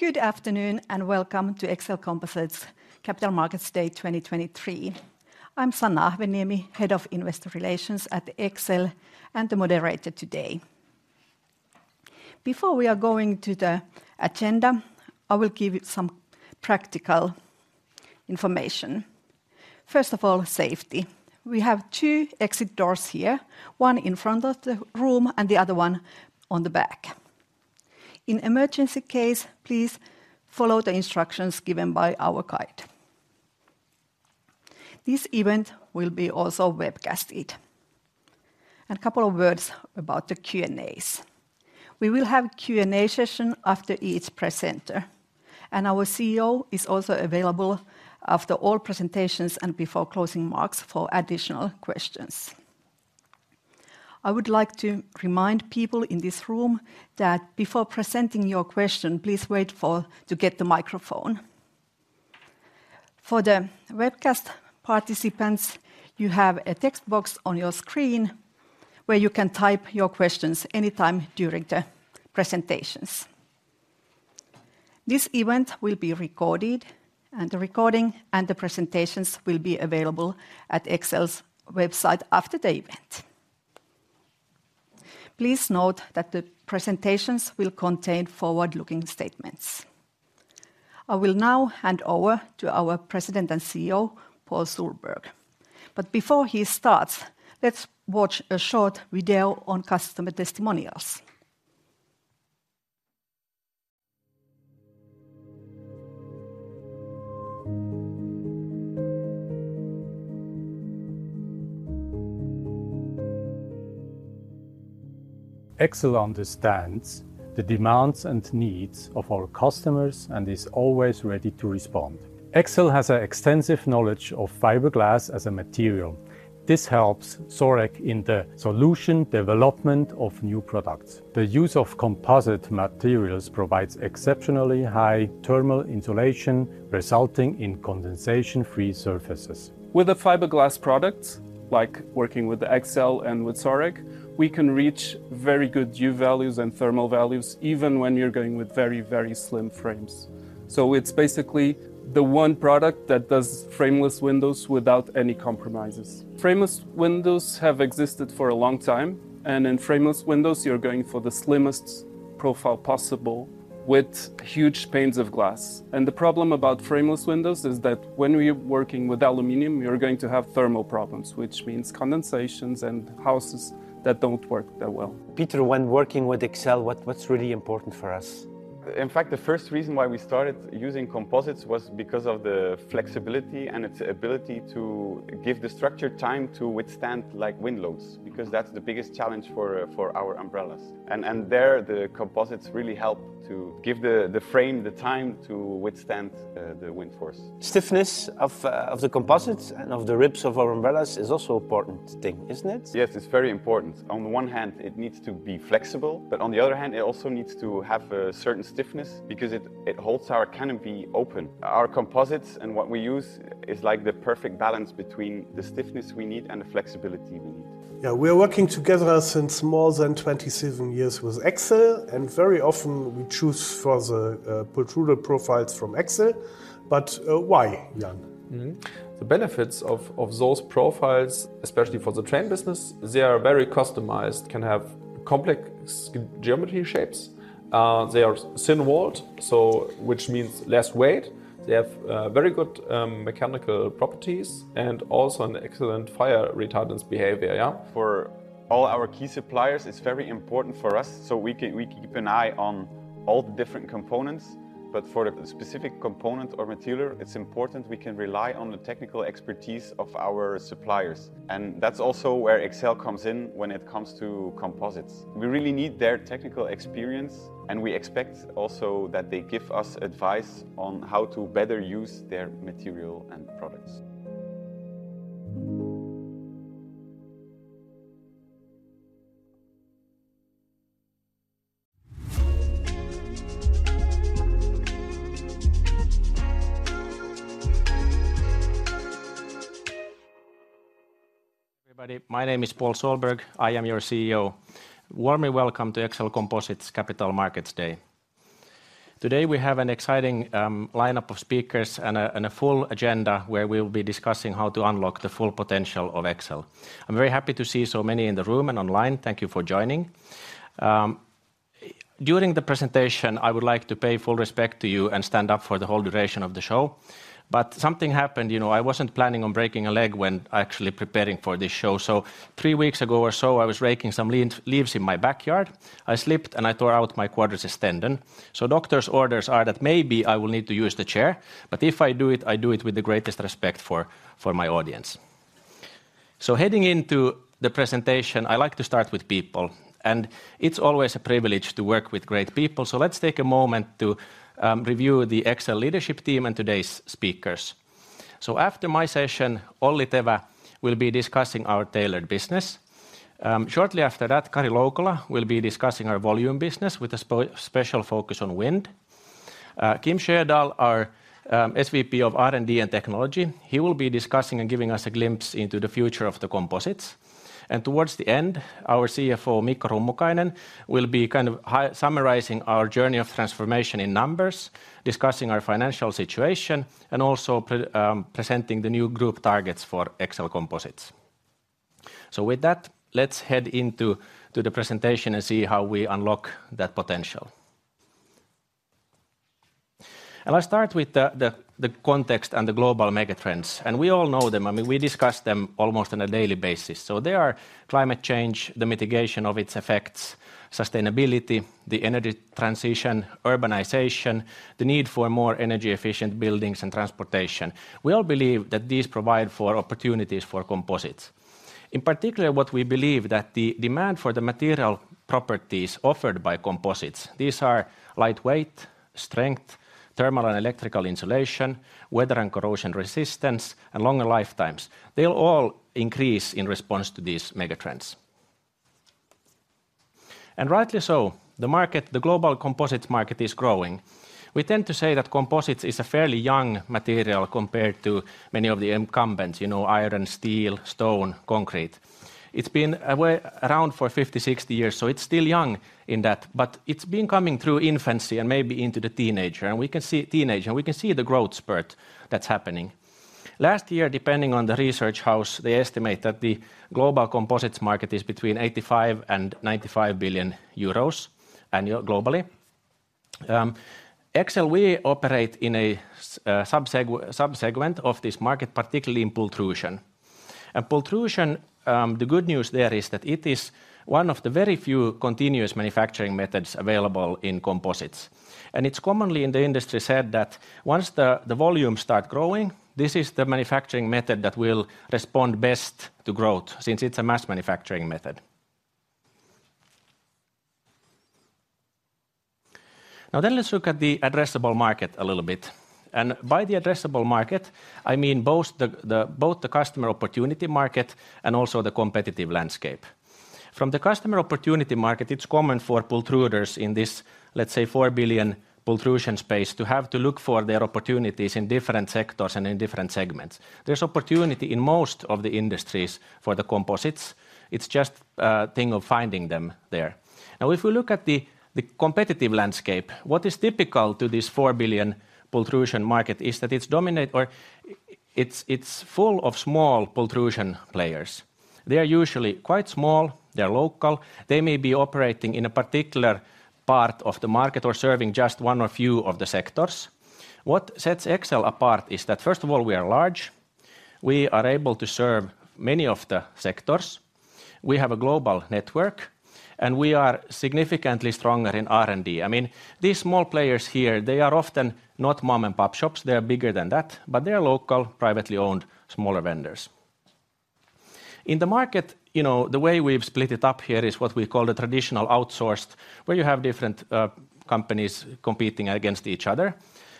Good afternoon, and welcome to Exel Composites Capital Markets Day 2023. I'm Sanna Ahvenniemi, Head of Investor Relations at Exel Composites and the moderator today. Before we are going to the agenda, I will give you some practical information. First of all, safety. We have 2 exit doors here, 1 in front of the room and the other one on the back. In emergency case, please follow the instructions given by our guide. This event will be also webcasted. A couple of words about the Q&As. We will have Q&A session after each presenter, and our CEO is also available after all presentations and before closing remarks for additional questions. I would like to remind people in this room that before presenting your question, please wait for to get the microphone. For the webcast participants, you have a text box on your screen where you can type your questions anytime during the presentations. This event will be recorded, and the recording and the presentations will be available at Exel's website after the event. Please note that the presentations will contain forward-looking statements. I will now hand over to our President and CEO, Paul Sohlberg. Before he starts, let's watch a short video on customer testimonials. Exel understands the demands and needs of our customers and is always ready to respond. Exel has an extensive knowledge of fiberglass as a material. This helps Sorec in the solution development of new products. The use of composite materials provides exceptionally high thermal insulation, resulting in condensation-free surfaces. With the fiberglass products, like working with Exel and with Sorec, we can reach very good U-values and thermal values, even when you're going with very, very slim frames. So it's basically the one product that does frameless windows without any compromises. Frameless windows have existed for a long time, and in frameless windows, you're going for the slimmest profile possible with huge panes of glass. And the problem about frameless windows is that when we're working with aluminum, you're going to have thermal problems, which means condensations and houses that don't work that well. Peter, when working with Exel, what's really important for us? In fact, the first reason why we started using composites was because of the flexibility and its ability to give the structure time to withstand, like, wind loads, because that's the biggest challenge for our umbrellas. And there, the composites really help to give the frame the time to withstand the wind force. Stiffness of the composites and of the ribs of our umbrellas is also important thing, isn't it? Yes, it's very important. On the one hand, it needs to be flexible, but on the other hand, it also needs to have a certain stiffness because it holds our canopy open. Our composites and what we use is like the perfect balance between the stiffness we need and the flexibility we need. Yeah, we are working together since more than 27 years with Exel, and very often we choose for the pultruded profiles from Exel. But why, Jan? Mm-hmm. The benefits of those profiles, especially for the train business, they are very customized, can have complex geometry shapes. They are thin-walled, so which means less weight. They have very good mechanical properties and also an excellent fire retardance behavior, yeah? For all our key suppliers, it's very important for us, so we can keep an eye on all the different components. But for the specific component or material, it's important we can rely on the technical expertise of our suppliers, and that's also where Exel comes in when it comes to composites. We really need their technical experience, and we expect also that they give us advice on how to better use their material and products. Everybody, my name is Paul Sohlberg. I am your CEO. Warmly welcome to Exel Composites Capital Markets Day. Today, we have an exciting lineup of speakers and a full agenda, where we'll be discussing how to unlock the full potential of Exel. I'm very happy to see so many in the room and online. Thank you for joining. During the presentation, I would like to pay full respect to you and stand up for the whole duration of the show, but something happened. You know, I wasn't planning on breaking a leg when actually preparing for this show. So three weeks ago or so, I was raking some leaves in my backyard. I slipped, and I tore out my quadriceps tendon. So doctor's orders are that maybe I will need to use the chair, but if I do it, I do it with the greatest respect for, for my audience. So heading into the presentation, I like to start with people, and it's always a privilege to work with great people. So let's take a moment to review the Exel leadership team and today's speakers. So after my session, Olli Tevä will be discussing our tailored business. Shortly after that, Kari Loukola will be discussing our volume business with a special focus on wind.... Kim Sjödahl, our SVP of R&D and Technology, he will be discussing and giving us a glimpse into the future of the composites. And towards the end, our CFO, Mikko Rummukainen, will be kind of summarizing our journey of transformation in numbers, discussing our financial situation, and also presenting the new group targets for Exel Composites. So with that, let's head into the presentation and see how we unlock that potential. And I start with the context and the global megatrends, and we all know them. I mean, we discuss them almost on a daily basis. So they are climate change, the mitigation of its effects, sustainability, the energy transition, urbanization, the need for more energy-efficient buildings and transportation. We all believe that these provide for opportunities for composites. In particular, what we believe that the demand for the material properties offered by composites, these are lightweight, strength, thermal and electrical insulation, weather and corrosion resistance, and longer lifetimes. They'll all increase in response to these megatrends. Rightly so, the market, the global composites market, is growing. sWe tend to say that composites is a fairly young material compared to many of the incumbents, you know, iron, steel, stone, concrete. It's been around for 50, 60 years, so it's still young in that, but it's been coming through infancy and maybe into the teenage, and we can see the growth spurt that's happening. Last year, depending on the research house, they estimate that the global composites market is between 85 billion and 95 billion euros annual globally. Exel, we operate in a subsegment of this market, particularly in pultrusion. And pultrusion, the good news there is that it is one of the very few continuous manufacturing methods available in composites. And it's commonly in the industry said that once the volumes start growing, this is the manufacturing method that will respond best to growth since it's a mass manufacturing method. Now, then let's look at the addressable market a little bit. And by the addressable market, I mean both the customer opportunity market and also the competitive landscape. From the customer opportunity market, it's common for pultruders in this, let's say, 4 billion pultrusion space, to have to look for their opportunities in different sectors and in different segments. There's opportunity in most of the industries for the composites. It's just thing of finding them there. Now, if we look at the competitive landscape, what is typical to this 4 billion pultrusion market is that it's full of small pultrusion players. They are usually quite small, they're local. They may be operating in a particular part of the market or serving just one or a few of the sectors. What sets Exel apart is that, first of all, we are large, we are able to serve many of the sectors, we have a global network, and we are significantly stronger in R&D. I mean, these small players here, they are often not mom-and-pop shops, they are bigger than that, but they are local, privately owned, smaller vendors. In the market, you know, the way we've split it up here is what we call the traditional outsourced, where you have different companies competing against each other,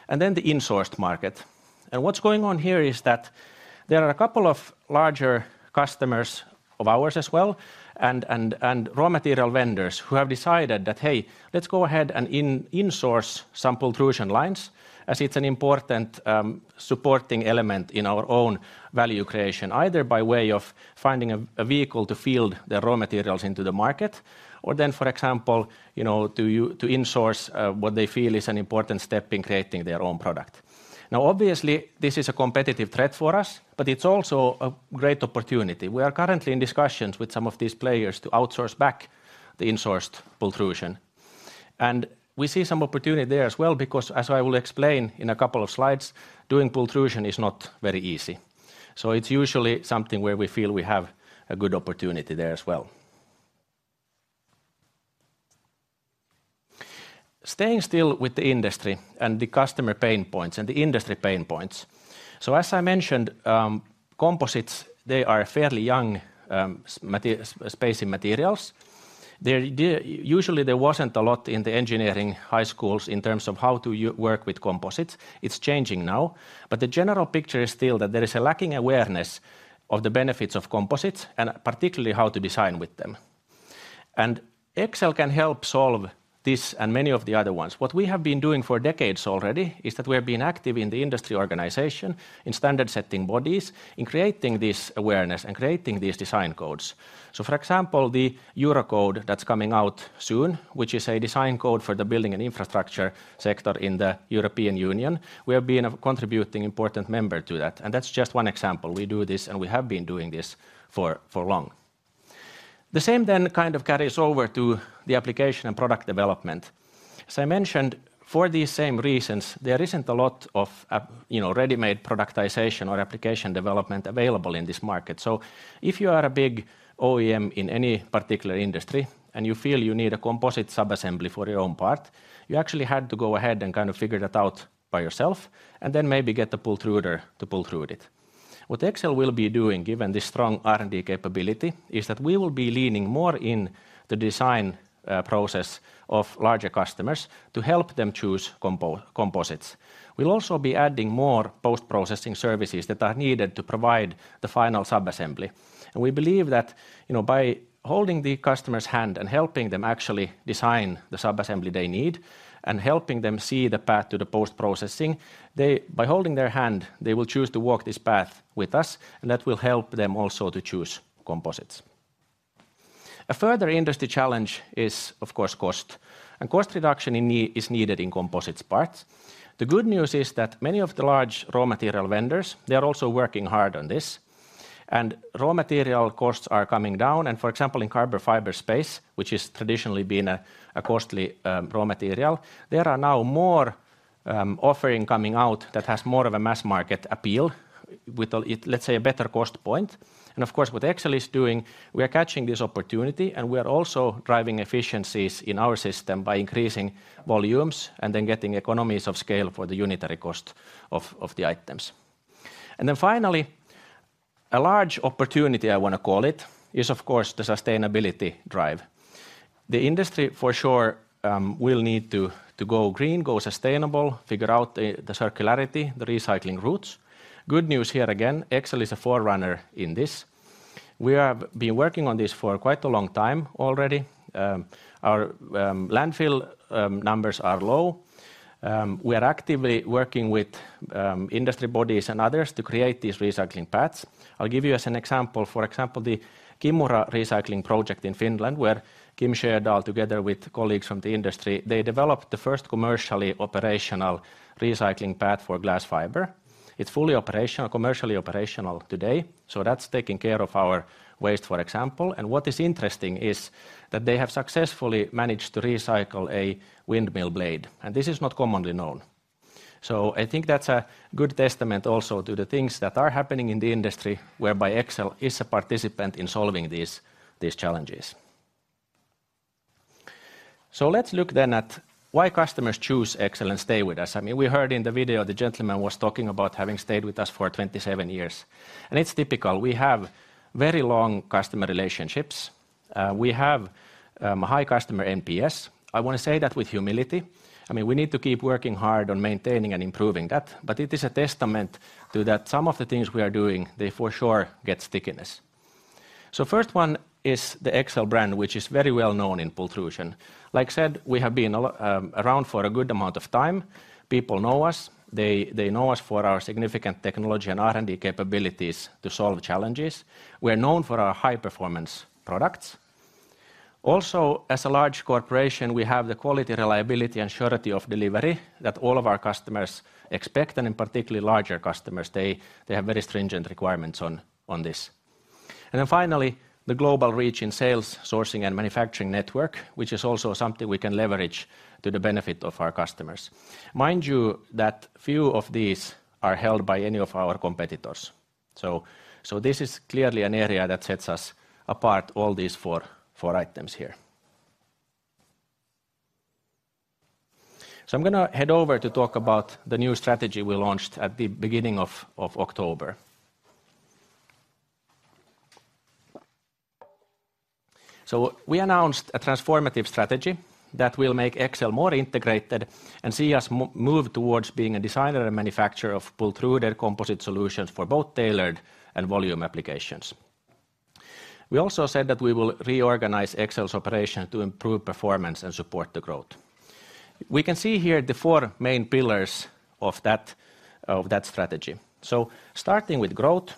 and then the insourced market. And what's going on here is that there are a couple of larger customers of ours as well, and raw material vendors who have decided that, "Hey, let's go ahead and insource some pultrusion lines, as it's an important supporting element in our own value creation," either by way of finding a vehicle to field their raw materials into the market, or then, for example, you know, to insource what they feel is an important step in creating their own product. Now, obviously, this is a competitive threat for us, but it's also a great opportunity. We are currently in discussions with some of these players to outsource back the insourced pultrusion. And we see some opportunity there as well because, as I will explain in a couple of slides, doing pultrusion is not very easy. So it's usually something where we feel we have a good opportunity there as well. Staying still with the industry and the customer pain points and the industry pain points. So as I mentioned, composites, they are a fairly young space in materials. They're usually there wasn't a lot in the engineering high schools in terms of how to work with composites. It's changing now, but the general picture is still that there is a lacking awareness of the benefits of composites and particularly how to design with them. And Exel can help solve this and many of the other ones. What we have been doing for decades already is that we have been active in the industry organization, in standard setting bodies, in creating this awareness and creating these design codes. So, for example, the Eurocode that's coming out soon, which is a design code for the building and infrastructure sector in the European Union, we have been a contributing important member to that, and that's just one example. We do this, and we have been doing this for long. The same then kind of carries over to the application and product development. As I mentioned, for these same reasons, there isn't a lot of, you know, ready-made productization or application development available in this market. So if you are a big OEM in any particular industry, and you feel you need a composite subassembly for your own part, you actually had to go ahead and kind of figure that out by yourself and then maybe get the pultruder to pultrude it. What Exel will be doing, given this strong R&D capability, is that we will be leaning more in the design process of larger customers to help them choose composites. We'll also be adding more post-processing services that are needed to provide the final subassembly. And we believe that, you know, by holding the customer's hand and helping them actually design the subassembly they need and helping them see the path to the post-processing, they, by holding their hand, they will choose to walk this path with us, and that will help them also to choose composites. A further industry challenge is, of course, cost, and cost reduction is needed in composites parts. The good news is that many of the large raw material vendors, they are also working hard on this, and raw material costs are coming down. For example, in carbon fiber space, which has traditionally been a costly raw material, there are now more offerings coming out that has more of a mass market appeal with a, let's say, a better cost point. Of course, what Exel is doing, we are catching this opportunity, and we are also driving efficiencies in our system by increasing volumes and then getting economies of scale for the unitary cost of the items. Finally, a large opportunity, I want to call it, is, of course, the sustainability drive. The industry, for sure, will need to go green, go sustainable, figure out the circularity, the recycling routes. Good news here again, Exel is a forerunner in this. We have been working on this for quite a long time already. Our landfill numbers are low. We are actively working with industry bodies and others to create these recycling paths. I'll give you as an example. For example, the Kimura recycling project in Finland, where Kimura shared all together with colleagues from the industry, they developed the first commercially operational recycling path for glass fiber. It's fully operational, commercially operational today, so that's taking care of our waste, for example. And what is interesting is that they have successfully managed to recycle a windmill blade, and this is not commonly known. So I think that's a good testament also to the things that are happening in the industry, whereby Exel is a participant in solving these, these challenges. So let's look then at why customers choose Exel and stay with us. I mean, we heard in the video, the gentleman was talking about having stayed with us for 27 years, and it's typical. We have very long customer relationships. We have high customer NPS. I want to say that with humility. I mean, we need to keep working hard on maintaining and improving that, but it is a testament to that some of the things we are doing, they for sure get stickiness. So first one is the Exel brand, which is very well known in pultrusion. Like I said, we have been around for a good amount of time. People know us. They, they know us for our significant technology and R&D capabilities to solve challenges. We're known for our high-performance products. Also, as a large corporation, we have the quality, reliability, and surety of delivery that all of our customers expect, and in particularly larger customers, they, they have very stringent requirements on, on this. And then finally, the global reach in sales, sourcing, and manufacturing network, which is also something we can leverage to the benefit of our customers. Mind you, that few of these are held by any of our competitors. So, so this is clearly an area that sets us apart, all these four, four items here. So I'm going to head over to talk about the new strategy we launched at the beginning of, of October. So we announced a transformative strategy that will make Exel more integrated and see us move towards being a designer and manufacturer of pultruded composite solutions for both tailored and volume applications. We also said that we will reorganize Exel's operation to improve performance and support the growth. We can see here the four main pillars of that, of that strategy. So starting with growth,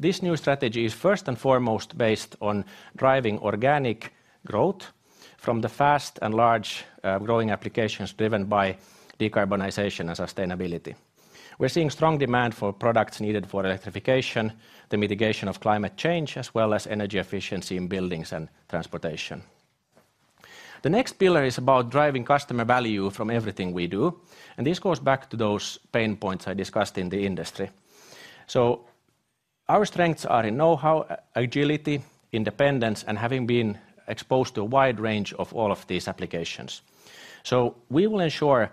this new strategy is first and foremost based on driving organic growth from the fast and large, growing applications driven by decarbonization and sustainability. We're seeing strong demand for products needed for electrification, the mitigation of climate change, as well as energy efficiency in buildings and transportation. The next pillar is about driving customer value from everything we do, and this goes back to those pain points I discussed in the industry. So our strengths are in know-how, agility, independence, and having been exposed to a wide range of all of these applications. So we will ensure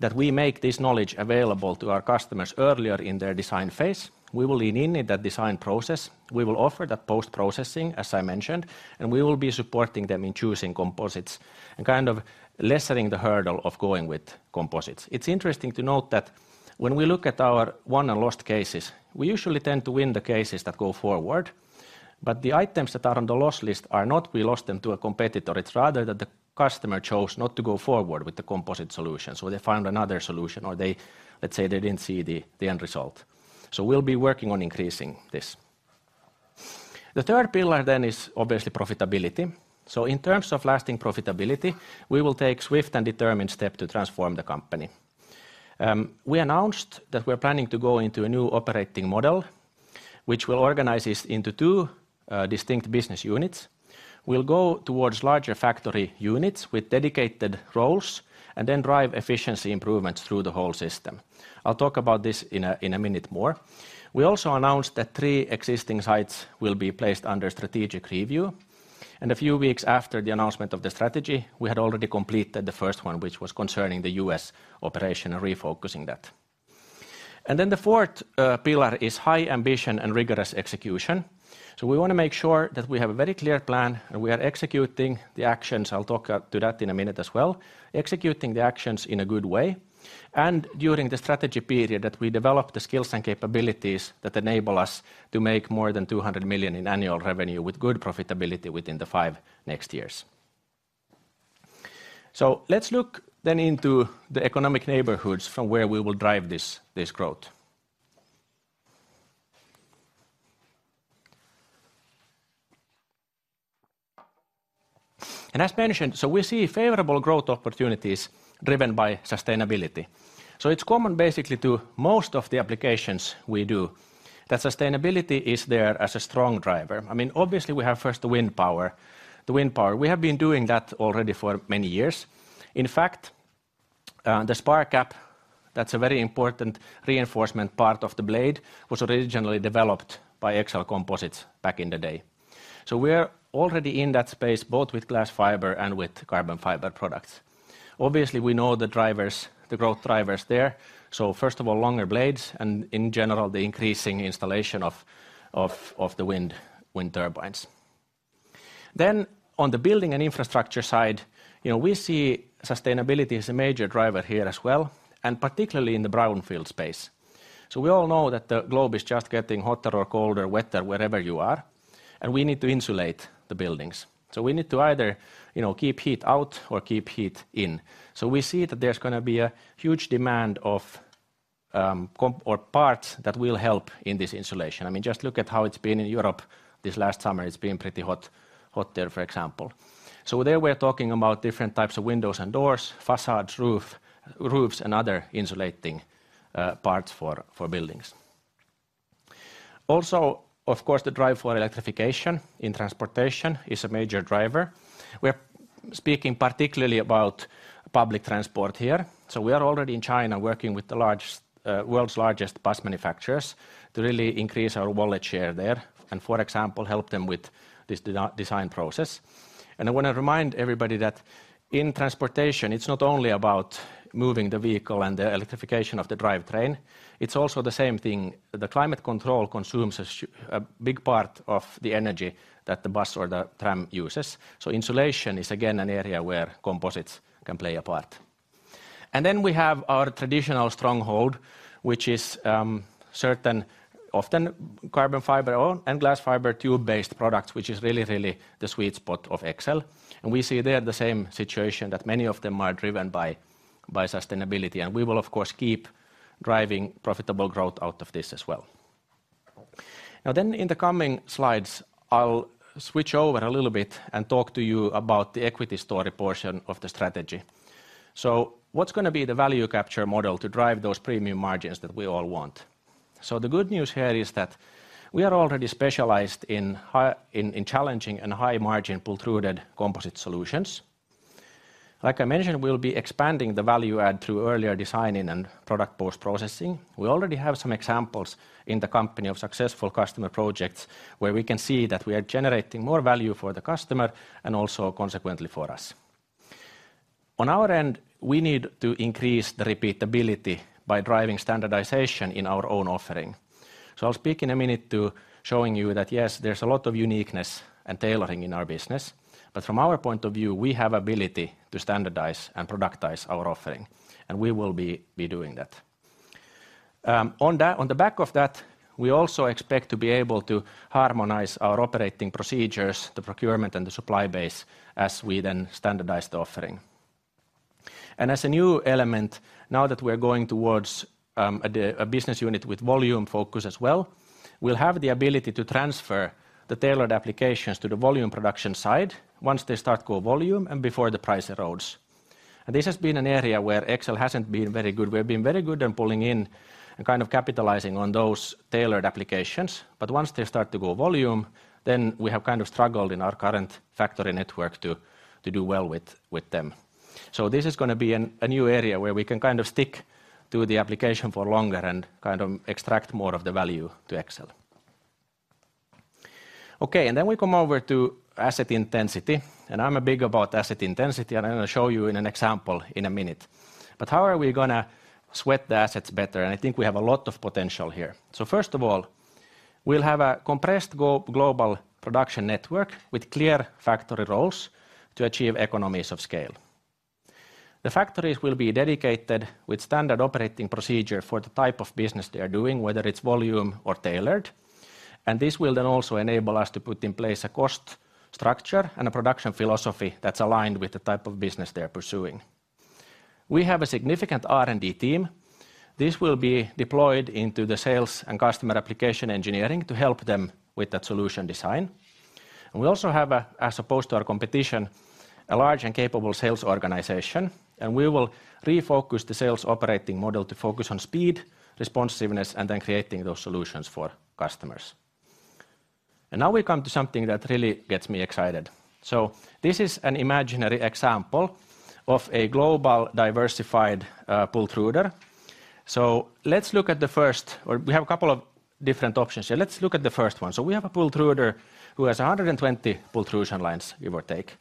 that we make this knowledge available to our customers earlier in their design phase. We will lean in in that design process. We will offer that post-processing, as I mentioned, and we will be supporting them in choosing composites and kind of lessening the hurdle of going with composites. It's interesting to note that when we look at our won and lost cases, we usually tend to win the cases that go forward, but the items that are on the lost list are not we lost them to a competitor. It's rather that the customer chose not to go forward with the composite solution, so they found another solution, or they, let's say they didn't see the end result. So we'll be working on increasing this. The third pillar then is obviously profitability. So in terms of lasting profitability, we will take swift and determined step to transform the company. We announced that we're planning to go into a new operating model, which will organize this into two distinct business units. We'll go towards larger factory units with dedicated roles and then drive efficiency improvements through the whole system. I'll talk about this in a minute more. We also announced that three existing sites will be placed under strategic review, and a few weeks after the announcement of the strategy, we had already completed the first one, which was concerning the U.S. operation and refocusing that. And then the fourth pillar is high ambition and rigorous execution. So we want to make sure that we have a very clear plan, and we are executing the actions. I'll talk about that in a minute as well. Executing the actions in a good way, and during the strategy period that we develop the skills and capabilities that enable us to make more than 200 million in annual revenue with good profitability within the five next years. So let's look then into the economic neighborhoods from where we will drive this growth. And as mentioned, so we see favorable growth opportunities driven by sustainability. So it's common basically to most of the applications we do, that sustainability is there as a strong driver. I mean, obviously, we have first the wind power. The wind power, we have been doing that already for many years. In fact, the spar cap, that's a very important reinforcement part of the blade, was originally developed by Exel Composites back in the day. So we're already in that space, both with glass fiber and with carbon fiber products. Obviously, we know the drivers, the growth drivers there. So first of all, longer blades, and in general, the increasing installation of the wind turbines. Then, on the building and infrastructure side, you know, we see sustainability as a major driver here as well, and particularly in the brownfield space. So we all know that the globe is just getting hotter or colder, wetter, wherever you are, and we need to insulate the buildings. So we need to either, you know, keep heat out or keep heat in. So we see that there's gonna be a huge demand of composites or parts that will help in this insulation. I mean, just look at how it's been in Europe this last summer. It's been pretty hot there, for example. So there, we're talking about different types of windows and doors, facades, roofs, and other insulating parts for buildings. Also, of course, the drive for electrification in transportation is a major driver. We're speaking particularly about public transport here. So we are already in China working with the world's largest bus manufacturers to really increase our wallet share there, and for example, help them with this design process. And I wanna remind everybody that in transportation, it's not only about moving the vehicle and the electrification of the drivetrain, it's also the same thing. The climate control consumes a big part of the energy that the bus or the tram uses. So insulation is, again, an area where composites can play a part. And then we have our traditional stronghold, which is certain, often carbon fiber and glass fiber tube-based products, which is really, really the sweet spot of Exel. And we see there the same situation, that many of them are driven by sustainability, and we will, of course, keep driving profitable growth out of this as well. Now, then, in the coming slides, I'll switch over a little bit and talk to you about the equity story portion of the strategy. So what's gonna be the value capture model to drive those premium margins that we all want? So the good news here is that we are already specialized in in challenging and high-margin pultruded composite solutions. Like I mentioned, we'll be expanding the value add through earlier designing and product post-processing. We already have some examples in the company of successful customer projects, where we can see that we are generating more value for the customer and also, consequently, for us. On our end, we need to increase the repeatability by driving standardization in our own offering. So I'll speak in a minute to showing you that, yes, there's a lot of uniqueness and tailoring in our business, but from our point of view, we have ability to standardize and productize our offering, and we will be doing that. On that, on the back of that, we also expect to be able to harmonize our operating procedures, the procurement, and the supply base, as we then standardize the offering. And as a new element, now that we're going towards a business unit with volume focus as well, we'll have the ability to transfer the tailored applications to the volume production side once they start go volume and before the price erodes. And this has been an area where Exel hasn't been very good. We've been very good in pulling in and kind of capitalizing on those tailored applications, but once they start to go volume, then we have kind of struggled in our current factory network to do well with them. So this is gonna be a new area where we can kind of stick to the application for longer and kind of extract more of the value to Exel. Okay, and then we come over to asset intensity, and I'm big about asset intensity, and I'm gonna show you in an example in a minute. But how are we gonna sweat the assets better? And I think we have a lot of potential here. So first of all, we'll have a compressed global production network with clear factory roles to achieve economies of scale. The factories will be dedicated with standard operating procedure for the type of business they are doing, whether it's volume or tailored, and this will then also enable us to put in place a cost structure and a production philosophy that's aligned with the type of business they are pursuing. We have a significant R&D team. This will be deployed into the sales and customer application engineering to help them with that solution design. And we also have a, as opposed to our competition, a large and capable sales organization, and we will refocus the sales operating model to focus on speed, responsiveness, and then creating those solutions for customers. And now we come to something that really gets me excited. So this is an imaginary example of a global diversified pultruder. So let's look at the first, or we have a couple of different options here. Let's look at the first one. So we have a pultruder who has 120 pultrusion lines give or take.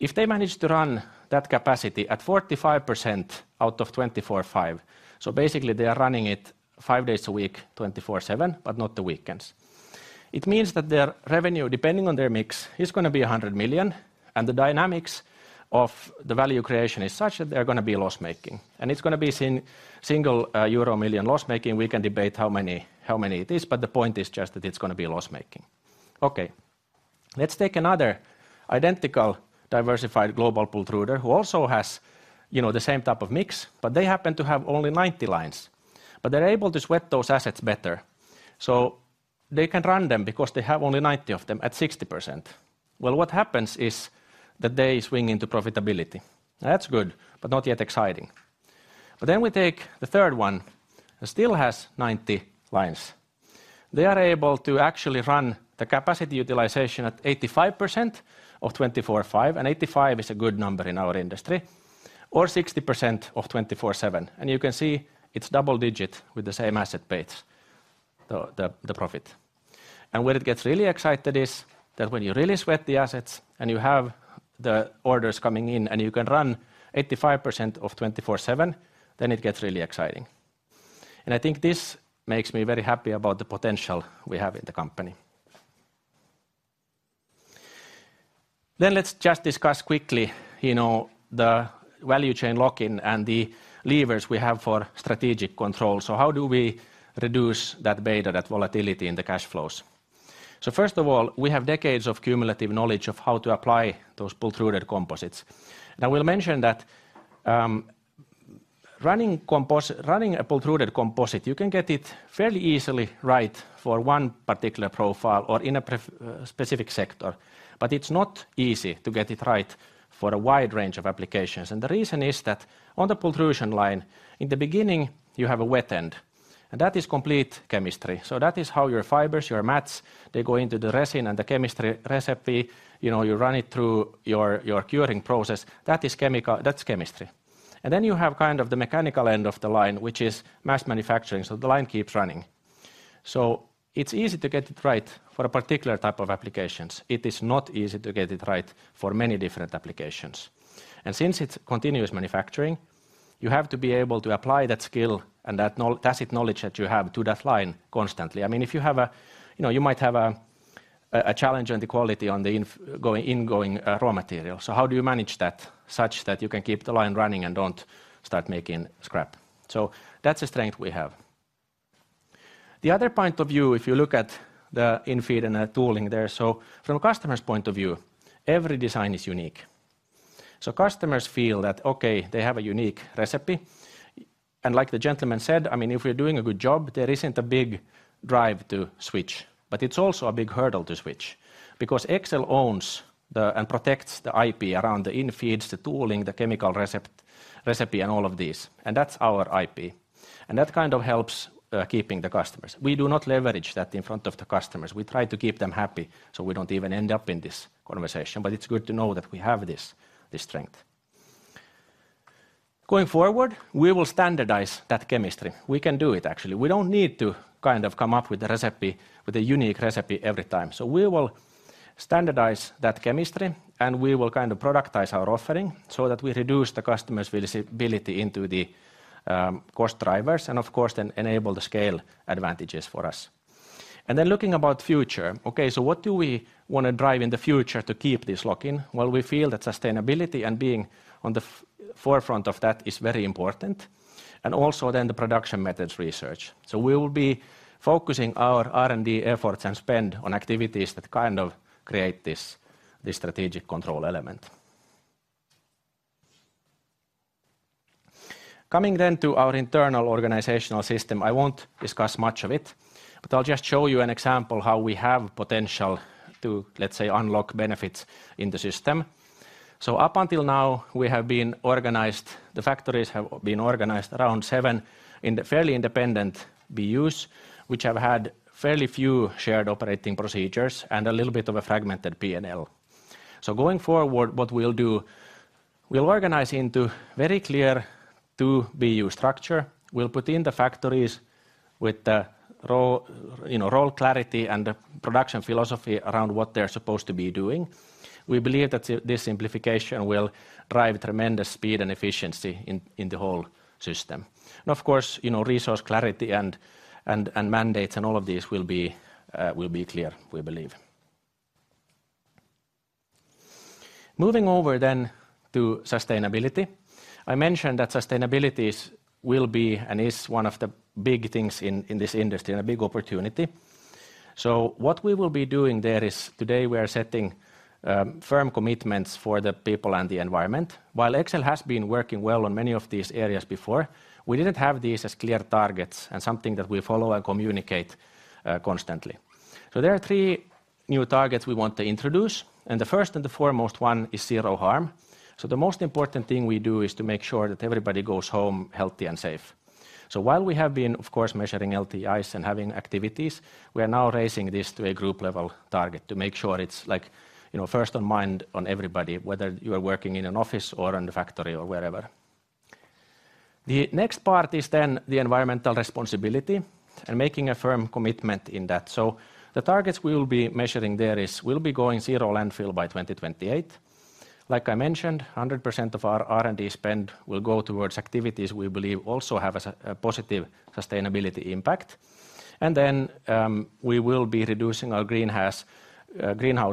If they manage to run that capacity at 45% out of 24/5, so basically, they are running it five days a week, 24/7, but not the weekends. It means that their revenue, depending on their mix, is gonna be 100 million, and the dynamics of the value creation is such that they're gonna be loss-making, and it's gonna be single euro 1 million loss-making. We can debate how many, how many it is, but the point is just that it's gonna be loss-making. Okay. Let's take another identical diversified global pultruder, who also has, you know, the same type of mix, but they happen to have only 90 lines. But they're able to sweat those assets better, so they can run them because they have only 90 of them at 60%. Well, what happens is that they swing into profitability. That's good, but not yet exciting. But then we take the third one, that still has 90 lines. They are able to actually run the capacity utilization at 85% of 24/5, and 85 is a good number in our industry, or 60% of 24/7. And you can see it's double-digit with the same asset base, the profit. And where it gets really excited is, that when you really sweat the assets, and you have the orders coming in, and you can run 85% of 24/7, then it gets really exciting. And I think this makes me very happy about the potential we have in the company. Then let's just discuss quickly, you know, the value chain lock-in and the levers we have for strategic control. So how do we reduce that beta, that volatility in the cash flows? So first of all, we have decades of cumulative knowledge of how to apply those pultruded composites. Now, we'll mention that, running a pultruded composite, you can get it fairly easily right for one particular profile or in a specific sector, but it's not easy to get it right for a wide range of applications. And the reason is that on the pultrusion line, in the beginning, you have a wet end, and that is complete chemistry. So that is how your fibers, your mats, they go into the resin and the chemistry recipe. You know, you run it through your curing process. That is chemical. That's chemistry. And then you have kind of the mechanical end of the line, which is mass manufacturing, so the line keeps running. So it's easy to get it right for a particular type of applications. It is not easy to get it right for many different applications. Since it's continuous manufacturing, you have to be able to apply that skill and that tacit knowledge that you have to that line constantly. I mean, if you have... You know, you might have a challenge on the quality on the incoming raw material. So how do you manage that, such that you can keep the line running and don't start making scrap? So that's a strength we have. The other point of view, if you look at the infeed and the tooling there, so from a customer's point of view, every design is unique. So customers feel that, okay, they have a unique recipe, and like the gentleman said, I mean, if we're doing a good job, there isn't a big drive to switch, but it's also a big hurdle to switch. Because Exel owns and protects the IP around the infeeds, the tooling, the chemical recipe, and all of these, and that's our IP. And that kind of helps keeping the customers. We do not leverage that in front of the customers. We try to keep them happy, so we don't even end up in this conversation, but it's good to know that we have this strength. Going forward, we will standardize that chemistry. We can do it, actually. We don't need to kind of come up with a recipe, with a unique recipe every time. So we will standardize that chemistry, and we will kind of productize our offering so that we reduce the customer's visibility into the cost drivers, and of course, then enable the scale advantages for us. Then looking about future, okay, so what do we wanna drive in the future to keep this lock-in? Well, we feel that sustainability and being on the forefront of that is very important, and also then the production methods research. So we will be focusing our R&D efforts and spend on activities that kind of create this, this strategic control element. Coming then to our internal organizational system, I won't discuss much of it, but I'll just show you an example how we have potential to, let's say, unlock benefits in the system. So up until now, we have been organized, the factories have been organized around seven in the fairly independent BUs, which have had fairly few shared operating procedures and a little bit of a fragmented P&L. So going forward, what we'll do, we'll organize into very clear two BU structure. We'll put in the factories with the—you know—role clarity and the production philosophy around what they're supposed to be doing. We believe that this simplification will drive tremendous speed and efficiency in, in the whole system. And, of course, you know, resource clarity and, and, and mandates and all of these will be, will be clear, we believe. Moving over then to sustainability. I mentioned that sustainability is, will be, and is one of the big things in, in this industry, and a big opportunity. So what we will be doing there is, today we are setting firm commitments for the people and the environment. While Exel has been working well on many of these areas before, we didn't have these as clear targets and something that we follow and communicate constantly. So there are three new targets we want to introduce, and the first and the foremost one is zero harm. So the most important thing we do is to make sure that everybody goes home healthy and safe. So while we have been, of course, measuring LTIs and having activities, we are now raising this to a group-level target to make sure it's, like, you know, first on mind on everybody, whether you are working in an office or in a factory or wherever. The next part is then the environmental responsibility and making a firm commitment in that. So the targets we will be measuring there is, we'll be going zero landfill by 2028. Like I mentioned, 100% of our R&D spend will go towards activities we believe also have a positive sustainability impact. We will be reducing our greenhouse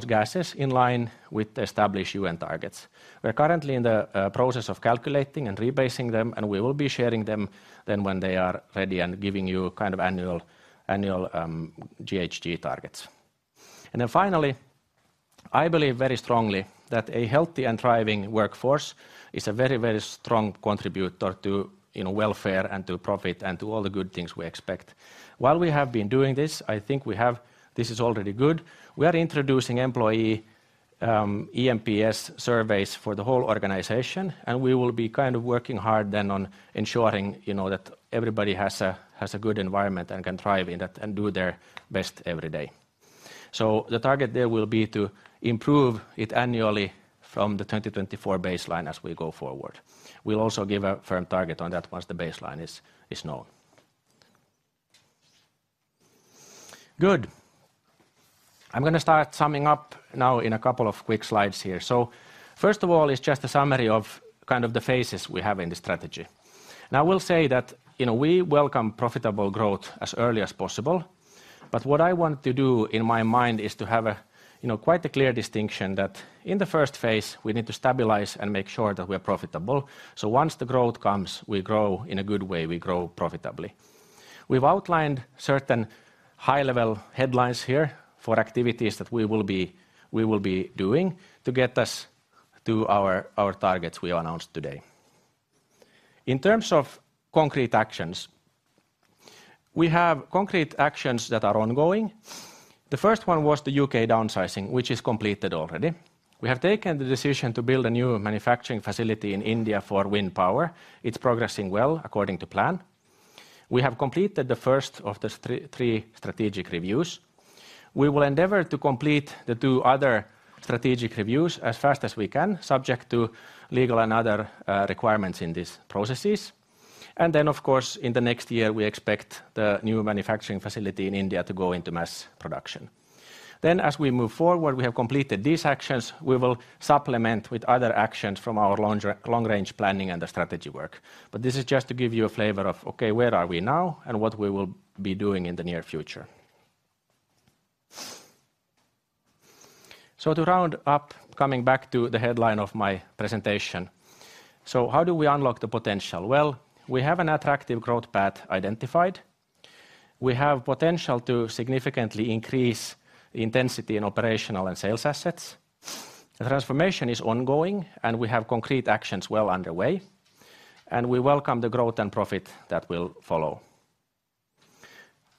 gases in line with the established UN targets. We're currently in the process of calculating and rebasing them, and we will be sharing them then when they are ready and giving you kind of annual GHG targets. And then finally, I believe very strongly that a healthy and thriving workforce is a very, very strong contributor to, you know, welfare, and to profit, and to all the good things we expect. While we have been doing this, I think this is already good. We are introducing employee eNPS surveys for the whole organization, and we will be kind of working hard then on ensuring, you know, that everybody has a good environment and can thrive in that, and do their best every day. So the target there will be to improve it annually from the 2024 baseline as we go forward. We'll also give a firm target on that once the baseline is known. Good. I'm gonna start summing up now in a couple of quick slides here. So first of all, it's just a summary of kind of the phases we have in the strategy. Now, I will say that, you know, we welcome profitable growth as early as possible, but what I want to do, in my mind, is to have a, you know, quite a clear distinction that in the first phase, we need to stabilize and make sure that we are profitable. So once the growth comes, we grow in a good way, we grow profitably. We've outlined certain high-level headlines here for activities that we will be, we will be doing to get us to our targets we announced today. In terms of concrete actions, we have concrete actions that are ongoing. The first one was the U.K. downsizing, which is completed already. We have taken the decision to build a new manufacturing facility in India for wind power. It's progressing well, according to plan. We have completed the first of the three strategic reviews. We will endeavor to complete the two other strategic reviews as fast as we can, subject to legal and other requirements in these processes. Then, of course, in the next year, we expect the new manufacturing facility in India to go into mass production. As we move forward, we have completed these actions. We will supplement with other actions from our long-range planning and the strategy work. But this is just to give you a flavor of, okay, where are we now, and what we will be doing in the near future. So to round up, coming back to the headline of my presentation: so how do we unlock the potential? Well, we have an attractive growth path identified. We have potential to significantly increase intensity in operational and sales assets. The transformation is ongoing, and we have concrete actions well underway, and we welcome the growth and profit that will follow.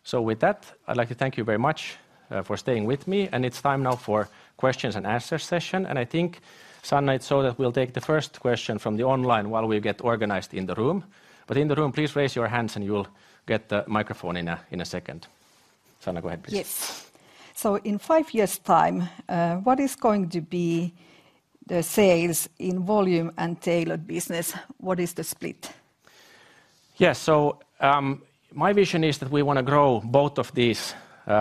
So with that, I'd like to thank you very much for staying with me, and it's time now for questions and answer session, and I think, Sanna, so that we'll take the first question from the online while we get organized in the room. But in the room, please raise your hands and you will get the microphone in a, in a second. Sanna, go ahead, please. Yes. So in five years' time, what is going to be the sales in volume and tailored business? What is the split? Yes, so, my vision is that we wanna grow both of these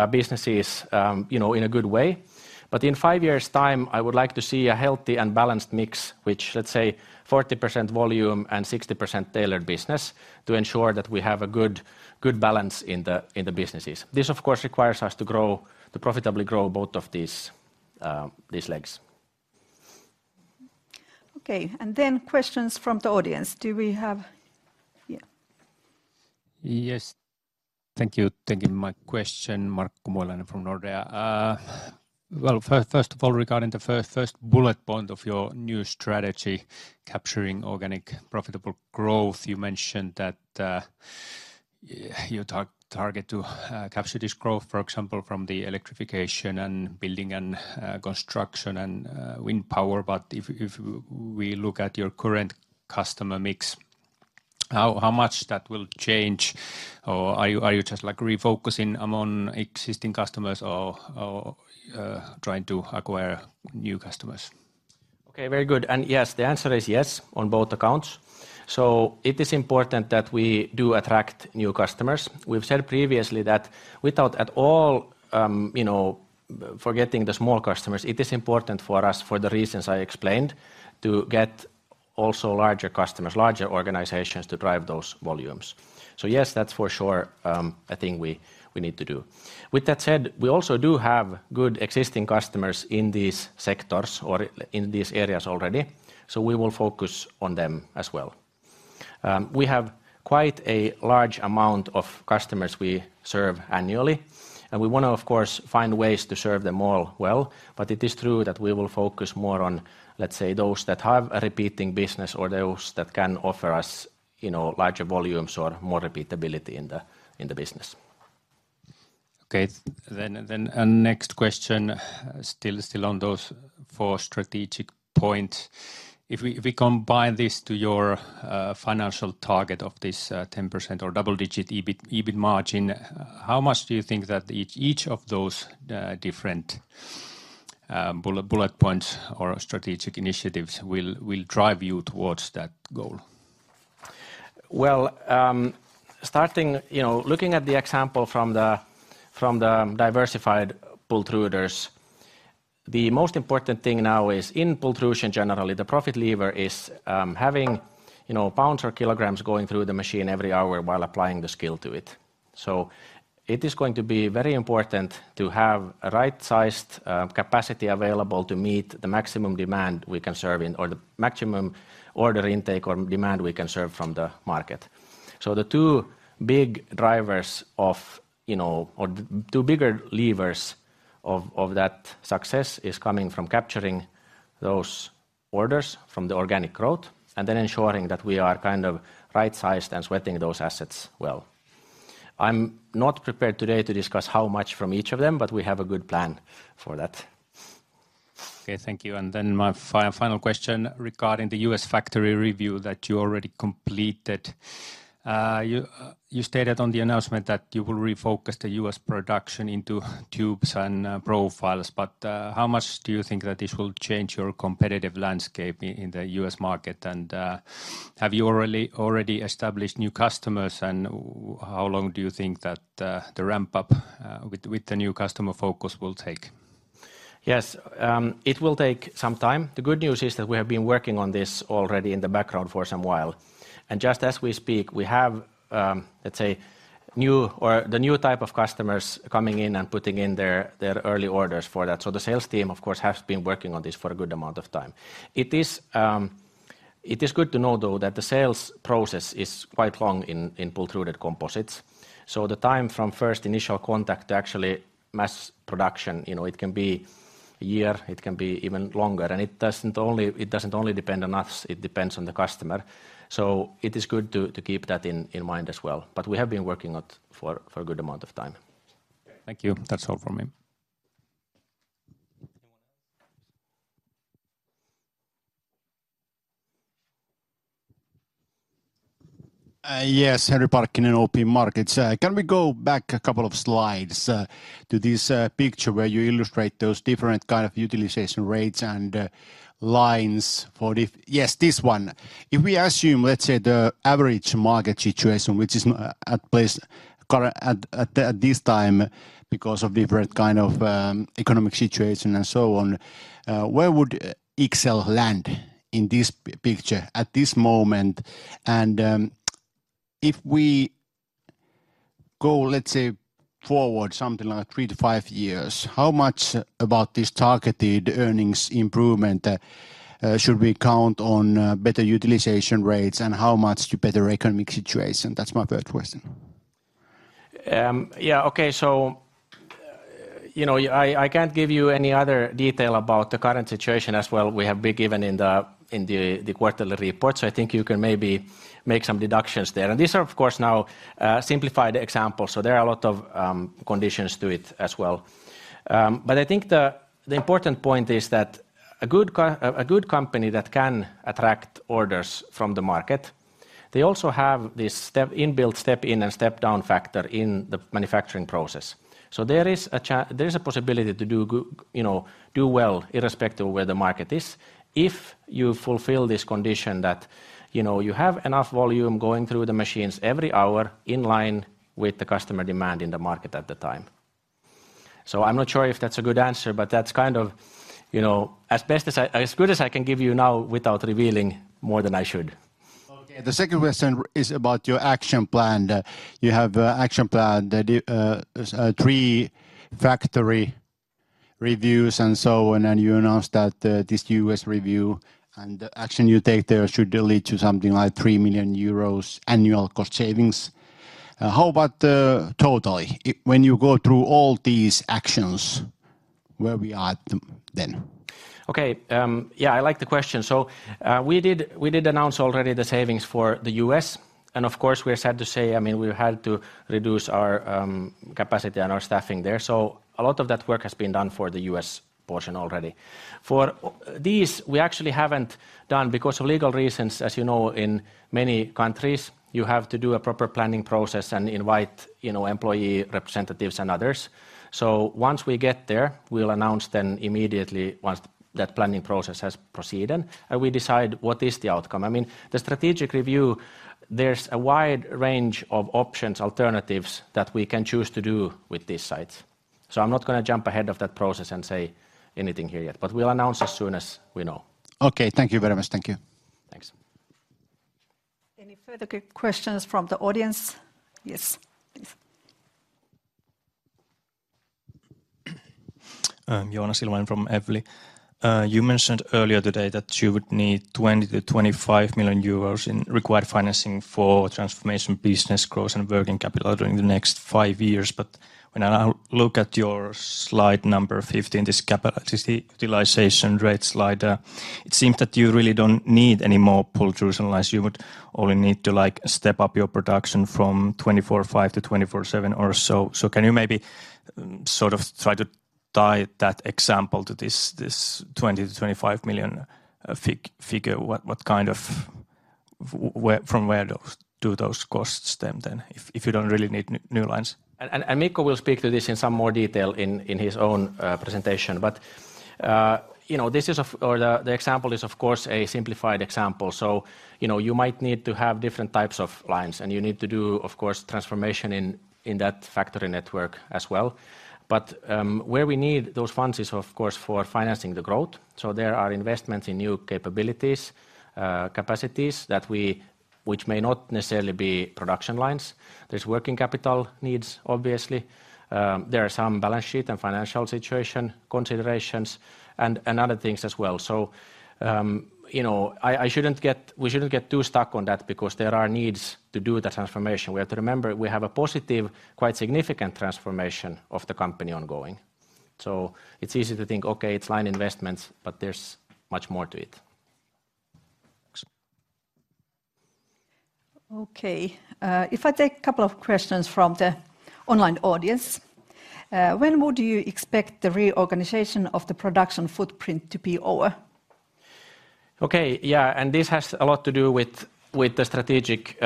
businesses, you know, in a good way. But in five years' time, I would like to see a healthy and balanced mix, which, let's say, 40% volume and 60% tailored business, to ensure that we have a good, good balance in the, in the businesses. This, of course, requires us to profitably grow both of these, these legs. Okay, and then questions from the audience. Do we have... Yeah. Yes. Thank you. Thank you. My question, Markku Kumoinen from Nordea. Well, first of all, regarding the first bullet point of your new strategy, capturing organic, profitable growth, you mentioned that your target to capture this growth, for example, from the electrification and building and construction and wind power. But if we look at your current customer mix, how much that will change, or are you just, like, refocusing among existing customers or trying to acquire new customers? Okay, very good. Yes, the answer is yes on both accounts. It is important that we do attract new customers. We've said previously that without at all, you know, forgetting the small customers, it is important for us, for the reasons I explained, to get also larger customers, larger organizations, to drive those volumes. Yes, that's for sure, a thing we need to do. With that said, we also do have good existing customers in these sectors or in these areas already, so we will focus on them as well. We have quite a large amount of customers we serve annually, and we want to, of course, find ways to serve them all well. But it is true that we will focus more on, let's say, those that have a repeating business or those that can offer us, you know, larger volumes or more repeatability in the business. Okay. Then, next question, still on those four strategic points. If we combine this to your financial target of this 10% or double-digit EBIT margin, how much do you think that each of those different bullet points or strategic initiatives will drive you towards that goal? Well, starting. You know, looking at the example from the diversified pultruders, the most important thing now is in pultrusion, generally, the profit lever is having, you know, pounds or kilograms going through the machine every hour while applying the skill to it. So it is going to be very important to have a right-sized capacity available to meet the maximum demand we can serve in, or the maximum order intake or demand we can serve from the market. So the two big drivers of, you know, or the two bigger levers of that success is coming from capturing those orders from the organic growth, and then ensuring that we are kind of right-sized and sweating those assets well. I'm not prepared today to discuss how much from each of them, but we have a good plan for that. Okay, thank you. And then my final question regarding the U.S. factory review that you already completed. You stated on the announcement that you will refocus the U.S. production into tubes and profiles, but how much do you think that this will change your competitive landscape in the U.S. market? And have you already established new customers, and how long do you think that the ramp up with the new customer focus will take? Yes, it will take some time. The good news is that we have been working on this already in the background for some while, and just as we speak, we have, let's say, new or the new type of customers coming in and putting in their, their early orders for that. So the sales team, of course, has been working on this for a good amount of time. It is good to know, though, that the sales process is quite long in pultruded composites. So the time from first initial contact to actually mass production, you know, it can be a year, it can be even longer, and it doesn't only depend on us, it depends on the customer. So it is good to keep that in mind as well. But we have been working on it for a good amount of time. Thank you. That's all from me. Anyone else? Yes, Henri Parkkinen, OP Markets. Can we go back a couple of slides to this picture where you illustrate those different kind of utilization rates and lines for the... Yes, this one! If we assume, let's say, the average market situation, which is more apt currently at this time because of different kind of economic situation and so on, where would Exel land in this picture at this moment? And if we go, let's say, forward something like three to five years, how much about this targeted earnings improvement should we count on better utilization rates and how much to better economic situation? That's my third question. Yeah, okay, so, you know, I can't give you any other detail about the current situation as well as we have been given in the quarterly report, so I think you can maybe make some deductions there. And these are, of course, now, simplified examples, so there are a lot of conditions to it as well. But I think the important point is that a good company that can attract orders from the market, they also have this step-inbuilt step in and step down factor in the manufacturing process. So there is a cha... There is a possibility to do, you know, do well irrespective of where the market is, if you fulfill this condition that, you know, you have enough volume going through the machines every hour in line with the customer demand in the market at the time. So I'm not sure if that's a good answer, but that's kind of, you know, as best as I, as good as I can give you now without revealing more than I should. Okay, the second question is about your action plan. You have an action plan that three factory reviews and so on, and you announced that this US review and the action you take there should lead to something like 3 million euros annual cost savings. How about the total? When you go through all these actions, where we are then? Okay, yeah, I like the question. So, we did, we did announce already the savings for the U.S., and of course, we are sad to say, I mean, we had to reduce our capacity and our staffing there, so a lot of that work has been done for the U.S. portion already. For these, we actually haven't done because of legal reasons. As you know, in many countries, you have to do a proper planning process and invite, you know, employee representatives and others. So once we get there, we'll announce then immediately, once that planning process has proceeded, and we decide what is the outcome. I mean, the strategic review, there's a wide range of options, alternatives that we can choose to do with these sites. I'm not gonna jump ahead of that process and say anything here yet, but we'll announce as soon as we know. Okay, thank you very much. Thank you. Thanks. Any further questions from the audience? Yes, please. Joona Silvén from Evli. You mentioned earlier today that you would need 20-25 million euros in required financing for transformation business growth and working capital during the next 5 years. But when I look at your slide number 15, this capacity utilization rate slide, it seems that you really don't need any more pultrusion lines. You would only need to, like, step up your production from 24/5 to 24/7 or so. So can you maybe, sort of try to tie that example to this, this 20-25 million, figure? What kind of... Where do those costs stem from then, if you don't really need new lines? Mikko will speak to this in some more detail in his own presentation. But you know, this is of course a simplified example. So you know, you might need to have different types of lines, and you need to do, of course, transformation in that factory network as well. But where we need those funds is, of course, for financing the growth. So there are investments in new capabilities, capacities which may not necessarily be production lines. There's working capital needs, obviously. There are some balance sheet and financial situation considerations and other things as well. So you know, we shouldn't get too stuck on that because there are needs to do the transformation. We have to remember, we have a positive, quite significant transformation of the company ongoing. So it's easy to think, okay, it's line investments, but there's much more to it. Okay. If I take a couple of questions from the online audience, when would you expect the reorganization of the production footprint to be over? Okay. Yeah, and this has a lot to do with the strategic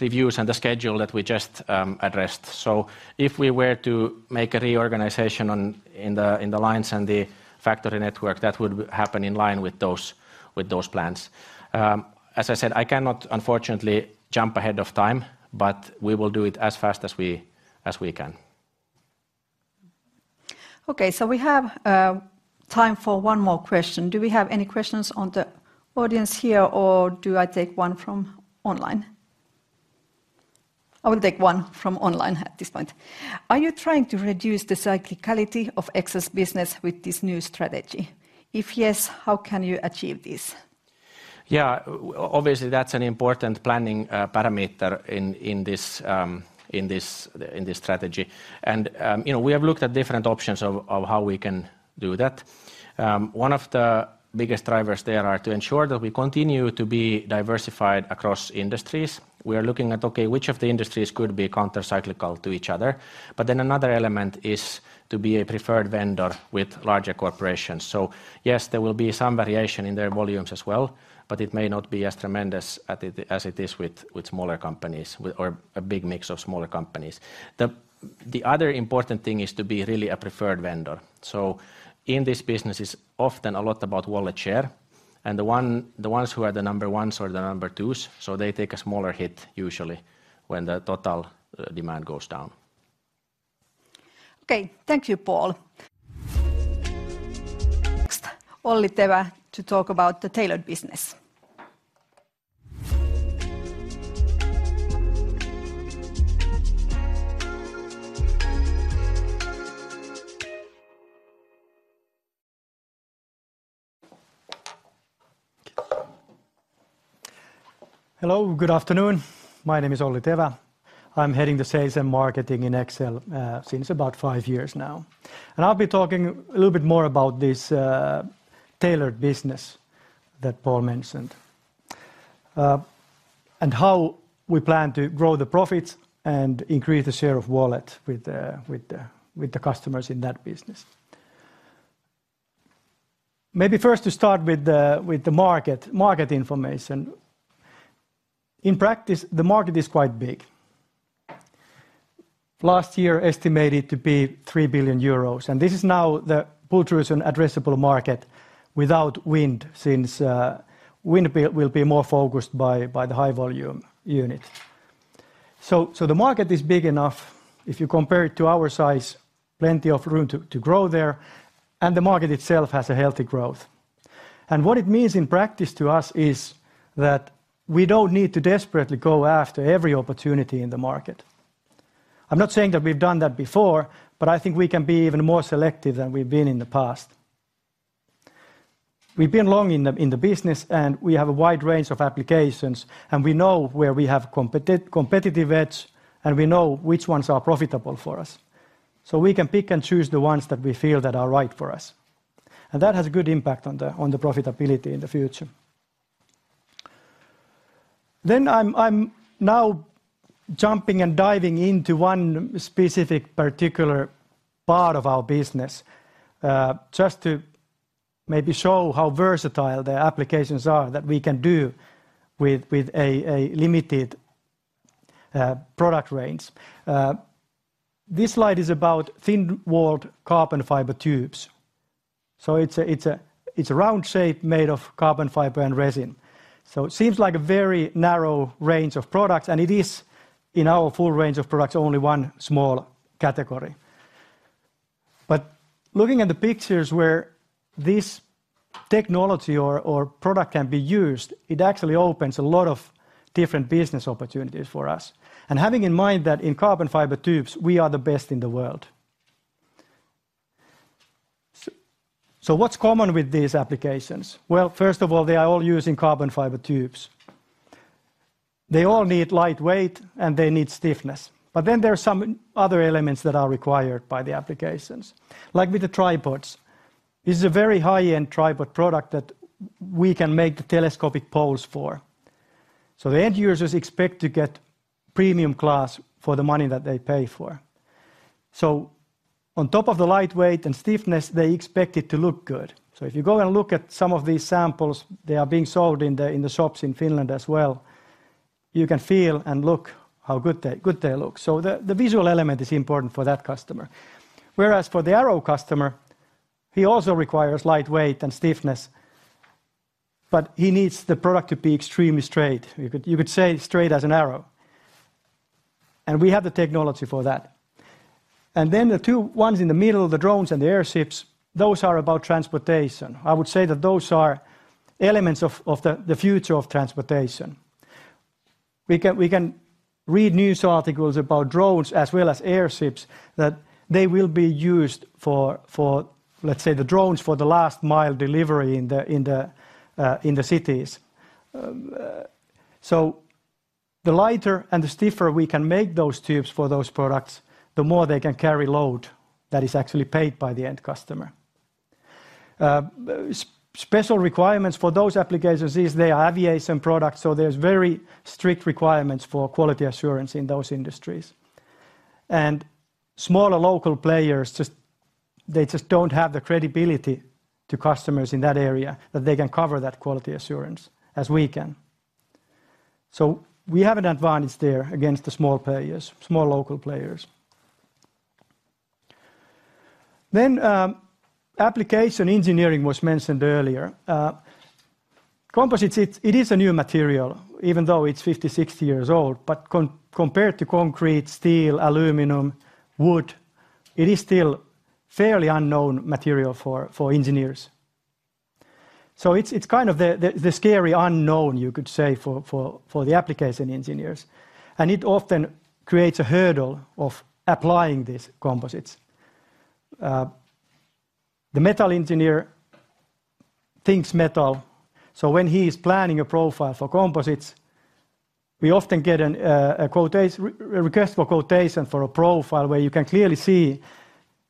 reviews and the schedule that we just addressed. So if we were to make a reorganization in the lines and the factory network, that would happen in line with those plans. As I said, I cannot, unfortunately, jump ahead of time, but we will do it as fast as we can. Okay, so we have time for one more question. Do we have any questions in the audience here, or do I take one from online? I will take one from online at this point. Are you trying to reduce the cyclicality of Exel's business with this new strategy? If yes, how can you achieve this? Yeah, obviously, that's an important planning parameter in this strategy. And, you know, we have looked at different options of how we can do that. One of the biggest drivers there are to ensure that we continue to be diversified across industries. We are looking at, okay, which of the industries could be countercyclical to each other? But then another element is to be a preferred vendor with larger corporations. So yes, there will be some variation in their volumes as well, but it may not be as tremendous as it is with smaller companies, or a big mix of smaller companies. The other important thing is to be really a preferred vendor. So in this business, it's often a lot about wallet share, and the ones who are the number ones or the number twos, so they take a smaller hit usually when the total demand goes down. Okay. Thank you, Paul. Olli Tevä to talk about the tailored business. Hello, good afternoon. My name is Olli Tevä. I'm heading the sales and marketing in Exel, since about five years now. And I'll be talking a little bit more about this, tailored business that Paul mentioned, and how we plan to grow the profits and increase the share of wallet with the customers in that business. Maybe first to start with the market information. In practice, the market is quite big. Last year, estimated to be 3 billion euros, and this is now the pultrusion addressable market without wind, since wind will be more focused by the high-volume unit. So the market is big enough, if you compare it to our size, plenty of room to grow there, and the market itself has a healthy growth. What it means in practice to us is that we don't need to desperately go after every opportunity in the market. I'm not saying that we've done that before, but I think we can be even more selective than we've been in the past. We've been long in the business, and we have a wide range of applications, and we know where we have competitive edge, and we know which ones are profitable for us. So we can pick and choose the ones that we feel that are right for us, and that has a good impact on the profitability in the future. Then I'm now jumping and diving into one specific, particular part of our business, just to maybe show how versatile the applications are that we can do with a limited product range. This slide is about thin-walled carbon fiber tubes. So it's a round shape made of carbon fiber and resin. So it seems like a very narrow range of products, and it is, in our full range of products, only one small category. But looking at the pictures where this technology or product can be used, it actually opens a lot of different business opportunities for us. And having in mind that in carbon fiber tubes, we are the best in the world. So what's common with these applications? Well, first of all, they are all using carbon fiber tubes. They all need light weight, and they need stiffness, but then there are some other elements that are required by the applications. Like with the tripods, this is a very high-end tripod product that we can make the telescopic poles for. So the end users expect to get premium class for the money that they pay for. So on top of the lightweight and stiffness, they expect it to look good. So if you go and look at some of these samples, they are being sold in the shops in Finland as well. You can feel and look how good they look. So the visual element is important for that customer. Whereas for the arrow customer, he also requires lightweight and stiffness, but he needs the product to be extremely straight. You could say straight as an arrow. And we have the technology for that. And then the two ones in the middle, the drones and the airships, those are about transportation. I would say that those are elements of the future of transportation.... We can read news articles about drones as well as airships that they will be used for, let's say, the drones, for the last mile delivery in the cities. So the lighter and the stiffer we can make those tubes for those products, the more they can carry load that is actually paid by the end customer. Special requirements for those applications is they are aviation products, so there's very strict requirements for quality assurance in those industries. And smaller local players just they just don't have the credibility to customers in that area, that they can cover that quality assurance as we can. So we have an advantage there against the small players, small local players. Then, application engineering was mentioned earlier. Composites, it is a new material, even though it's 50, 60 years old. But compared to concrete, steel, aluminum, wood, it is still fairly unknown material for the application engineers. So it's kind of the scary unknown, you could say, for the application engineers, and it often creates a hurdle of applying these composites. The metal engineer thinks metal, so when he is planning a profile for composites, we often get a request for quotation for a profile where you can clearly see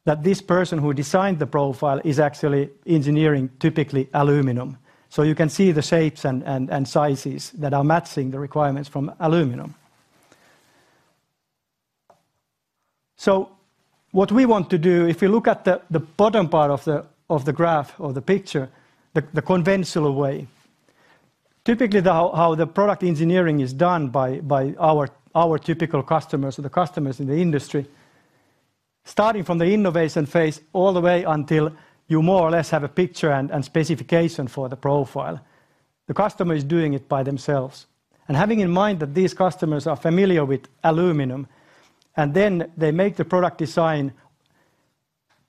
that this person who designed the profile is actually engineering, typically, aluminum. So you can see the shapes and sizes that are matching the requirements from aluminum. So what we want to do, if you look at the bottom part of the graph or the picture, the conventional way. Typically, how the product engineering is done by our typical customers or the customers in the industry, starting from the innovation phase, all the way until you more or less have a picture and specification for the profile, the customer is doing it by themselves. And having in mind that these customers are familiar with aluminum, and then they make the product design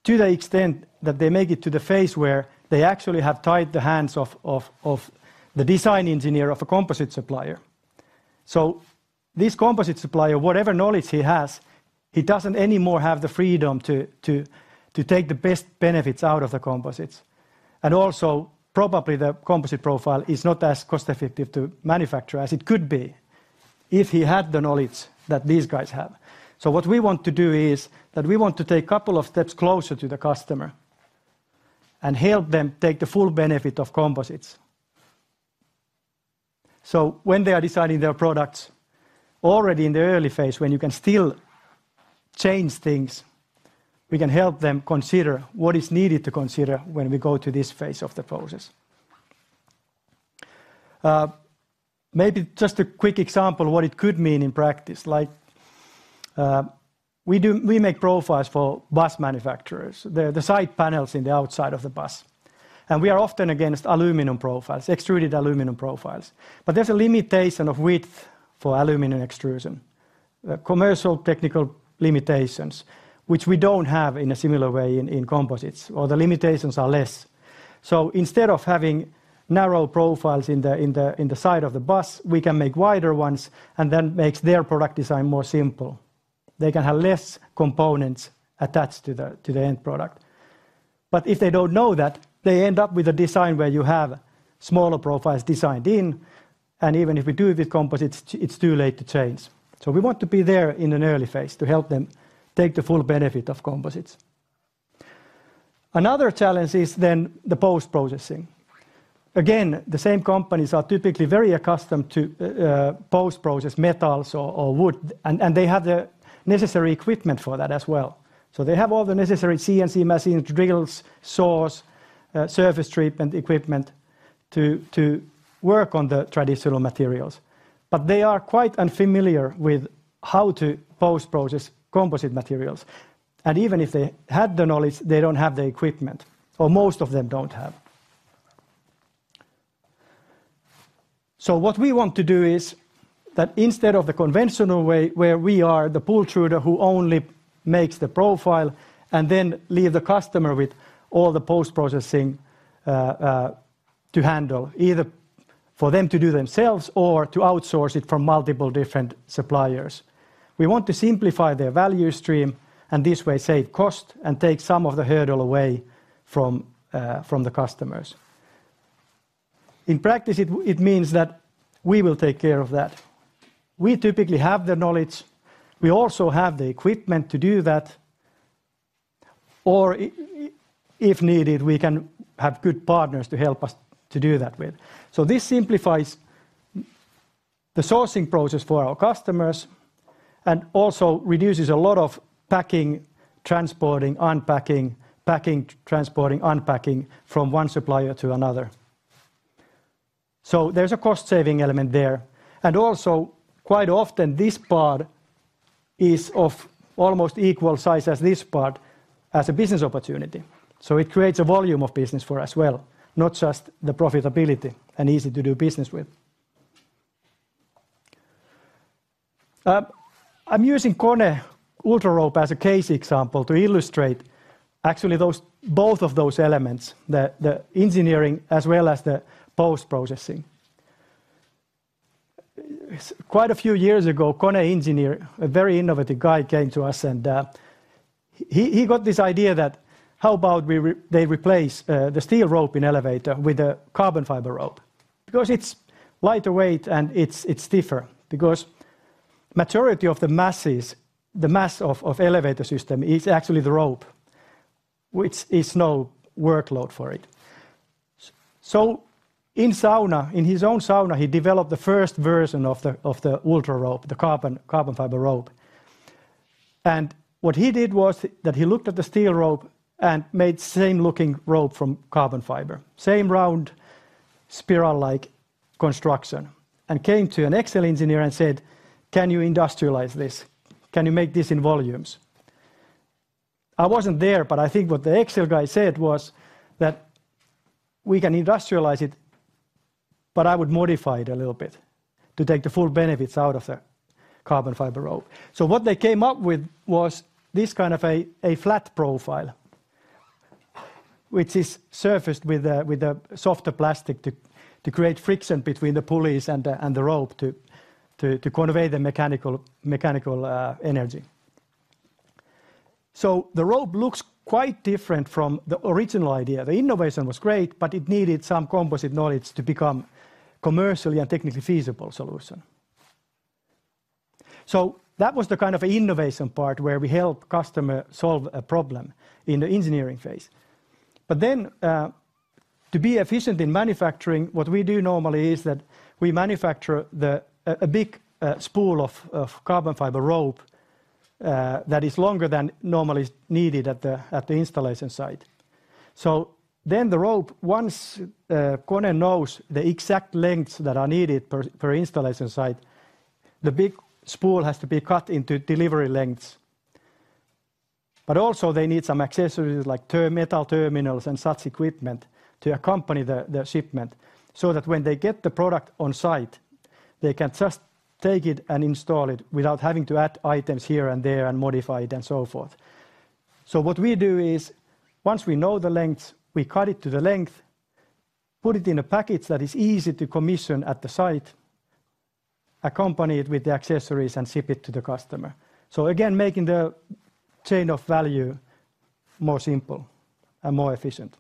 to the extent that they make it to the phase where they actually have tied the hands of the design engineer of a composite supplier. So this composite supplier, whatever knowledge he has, he doesn't anymore have the freedom to take the best benefits out of the composites. And also, probably the composite profile is not as cost-effective to manufacture as it could be, if he had the knowledge that these guys have. So what we want to do is, that we want to take couple of steps closer to the customer and help them take the full benefit of composites. So when they are designing their products, already in the early phase, when you can still change things, we can help them consider what is needed to consider when we go to this phase of the process. Maybe just a quick example, what it could mean in practice. Like, we make profiles for bus manufacturers, the side panels in the outside of the bus. And we are often against aluminum profiles, extruded aluminum profiles. But there's a limitation of width for aluminum extrusion. Commercial technical limitations, which we don't have in a similar way in composites, or the limitations are less. So instead of having narrow profiles in the side of the bus, we can make wider ones, and then makes their product design more simple. They can have less components attached to the end product. But if they don't know that, they end up with a design where you have smaller profiles designed in, and even if we do it with composites, it's too late to change. So we want to be there in an early phase to help them take the full benefit of composites. Another challenge is then the post-processing. Again, the same companies are typically very accustomed to post-process metals or wood, and they have the necessary equipment for that as well. So they have all the necessary CNC machines, drills, saws, surface treatment equipment, to work on the traditional materials. But they are quite unfamiliar with how to post-process composite materials. And even if they had the knowledge, they don't have the equipment, or most of them don't have. So what we want to do is, that instead of the conventional way, where we are the pultruder who only makes the profile and then leave the customer with all the post-processing to handle, either for them to do themselves or to outsource it from multiple different suppliers. We want to simplify their value stream, and this way, save cost and take some of the hurdle away from the customers. In practice, it means that we will take care of that. We typically have the knowledge. We also have the equipment to do that, or if needed, we can have good partners to help us to do that with. So this simplifies the sourcing process for our customers and also reduces a lot of packing, transporting, unpacking, packing, transporting, unpacking from one supplier to another. So there's a cost-saving element there. And also, quite often, this part is of almost equal size as this part, as a business opportunity. So it creates a volume of business for us as well, not just the profitability and easy to do business with.... I'm using KONE UltraRope as a case example to illustrate actually those, both of those elements, the engineering as well as the post-processing. Quite a few years ago, KONE engineer, a very innovative guy, came to us, and he got this idea that how about we they replace the steel rope in elevator with a carbon fiber rope? Because it's lighter weight, and it's stiffer. Because majority of the masses, the mass of elevator system is actually the rope, which is no workload for it. So in sauna, in his own sauna, he developed the first version of the UltraRope, the carbon fiber rope. And what he did was that he looked at the steel rope and made same-looking rope from carbon fiber, same round, spiral-like construction, and came to an Exel engineer and said, "Can you industrialize this? Can you make this in volumes?" I wasn't there, but I think what the Exel guy said was that, "We can industrialize it, but I would modify it a little bit to take the full benefits out of the carbon fiber rope." So what they came up with was this kind of a flat profile, which is surfaced with a softer plastic to create friction between the pulleys and the rope to convey the mechanical energy. So the rope looks quite different from the original idea. The innovation was great, but it needed some composite knowledge to become commercially and technically feasible solution. So that was the kind of innovation part where we helped customer solve a problem in the engineering phase. But then, to be efficient in manufacturing, what we do normally is that we manufacture the... A big spool of carbon fiber rope that is longer than normally needed at the installation site. So then the rope, once KONE knows the exact lengths that are needed per installation site, the big spool has to be cut into delivery lengths. But also they need some accessories like terminal metal terminals and such equipment to accompany the shipment, so that when they get the product on site, they can just take it and install it without having to add items here and there and modify it, and so forth. So what we do is, once we know the lengths, we cut it to the length, put it in a package that is easy to commission at the site, accompany it with the accessories, and ship it to the customer. So again, making the chain of value more simple and more efficient.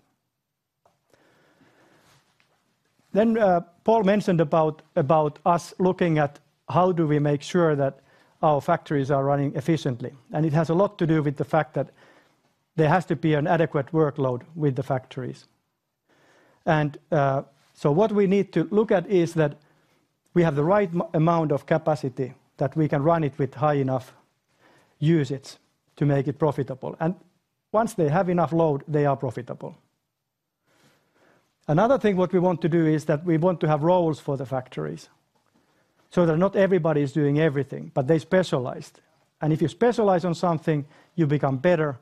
Then, Paul mentioned about, about us looking at how do we make sure that our factories are running efficiently, and it has a lot to do with the fact that there has to be an adequate workload with the factories. And, so what we need to look at is that we have the right amount of capacity, that we can run it with high enough usage to make it profitable. And once they have enough load, they are profitable. Another thing what we want to do is that we want to have roles for the factories, so that not everybody is doing everything, but they're specialized. If you specialize on something, you become better,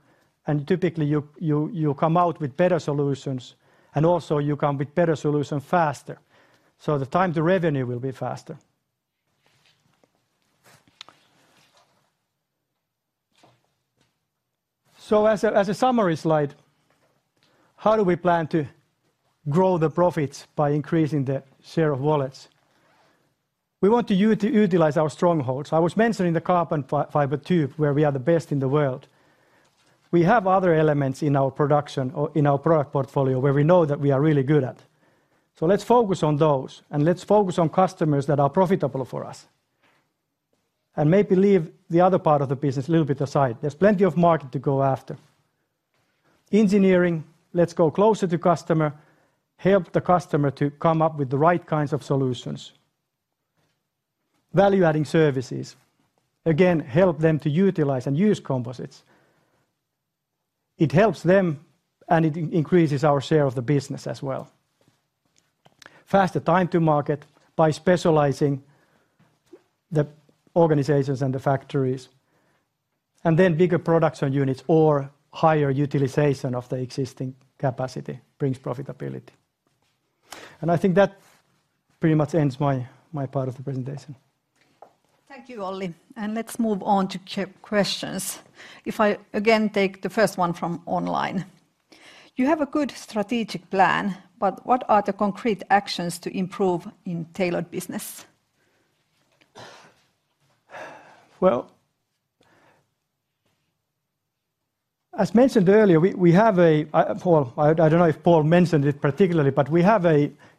and typically, you come out with better solutions, and also you come with better solution faster, so the time to revenue will be faster. As a summary slide, how do we plan to grow the profits by increasing the share of wallets? We want to utilize our strongholds. I was mentioning the carbon fiber tube, where we are the best in the world. We have other elements in our production or in our product portfolio where we know that we are really good at. Let's focus on those, and let's focus on customers that are profitable for us. Maybe leave the other part of the business a little bit aside. There's plenty of market to go after. Engineering, let's go closer to customer, help the customer to come up with the right kinds of solutions. Value-adding services, again, help them to utilize and use composites. It helps them, and it increases our share of the business as well. Faster time to market by specializing the organizations and the factories, and then bigger production units or higher utilization of the existing capacity brings profitability. And I think that pretty much ends my part of the presentation. Thank you, Olli, and let's move on to questions. If I, again, take the first one from online: "You have a good strategic plan, but what are the concrete actions to improve in tailored business? Well, as mentioned earlier, we have a Paul. I don't know if Paul mentioned it particularly, but we have,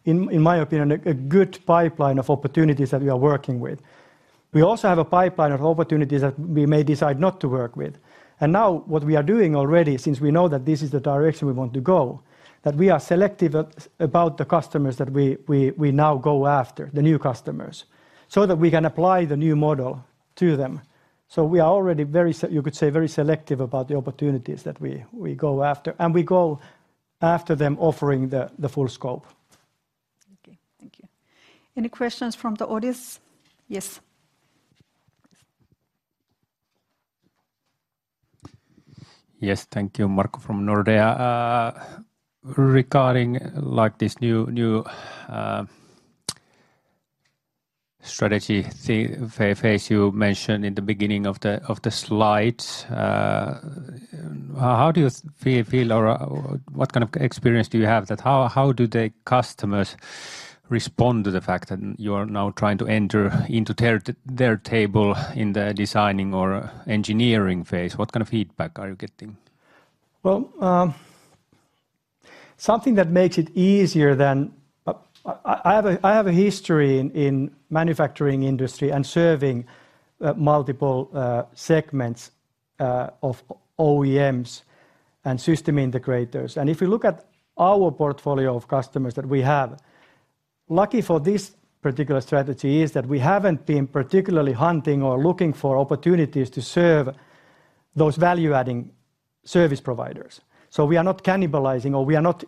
in my opinion, a good pipeline of opportunities that we are working with. We also have a pipeline of opportunities that we may decide not to work with, and now what we are doing already, since we know that this is the direction we want to go, that we are selective about the customers that we now go after, the new customers, so that we can apply the new model to them. So we are already very—you could say—very selective about the opportunities that we go after, and we go after them offering the full scope. Okay, thank you. Any questions from the audience? Yes. ... Yes, thank you, Markku from Nordea. Regarding, like, this new strategy phase you mentioned in the beginning of the slides, how do you feel or what kind of experience do you have that how the customers respond to the fact that you are now trying to enter into their table in the designing or engineering phase? What kind of feedback are you getting? Well, something that makes it easier than I have a history in manufacturing industry and serving multiple segments of OEMs and system integrators. And if you look at our portfolio of customers that we have, lucky for this particular strategy is that we haven't been particularly hunting or looking for opportunities to serve those value-adding service providers. So we are not cannibalizing, or we are not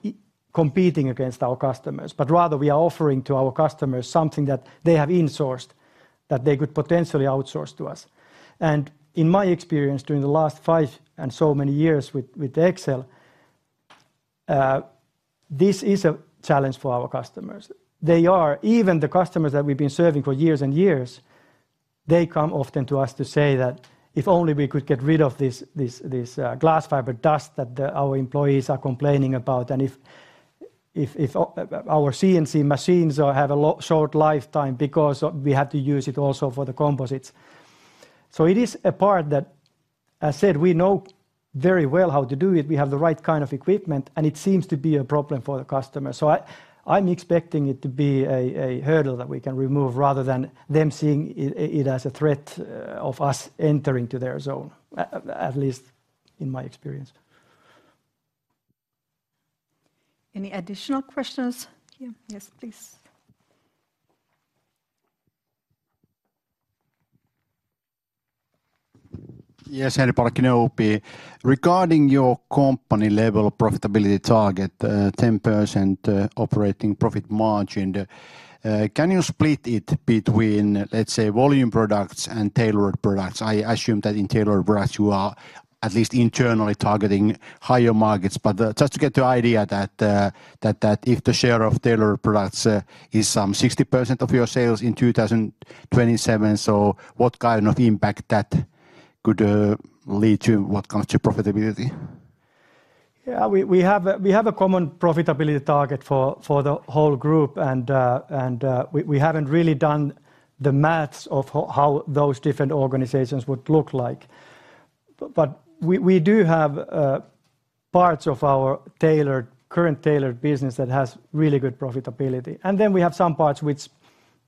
competing against our customers, but rather we are offering to our customers something that they have in-sourced that they could potentially outsource to us. And in my experience, during the last five and so many years with Exel, this is a challenge for our customers. They are... Even the customers that we've been serving for years and years, they come often to us to say that, "If only we could get rid of this, this, this, glass fiber dust that the, our employees are complaining about, and if our CNC machines are have a short lifetime because, we had to use it also for the composites." So it is a part that, as said, we know very well how to do it. We have the right kind of equipment, and it seems to be a problem for the customer. So I, I'm expecting it to be a hurdle that we can remove, rather than them seeing it as a threat, of us entering to their zone, at least in my experience. Any additional questions? Yeah. Yes, please. Yes, Henri Parkkinen, OP Markets. Regarding your company-level profitability target, 10%, operating profit margin, can you split it between, let's say, volume products and tailored products? I assume that in tailored products, you are at least internally targeting higher markets. But, just to get the idea that if the share of tailored products is some 60% of your sales in 2027, so what kind of impact that could lead to what comes to profitability? Yeah, we have a common profitability target for the whole group, and we haven't really done the math of how those different organizations would look like. But we do have parts of our tailored, current tailored business that has really good profitability. And then we have some parts which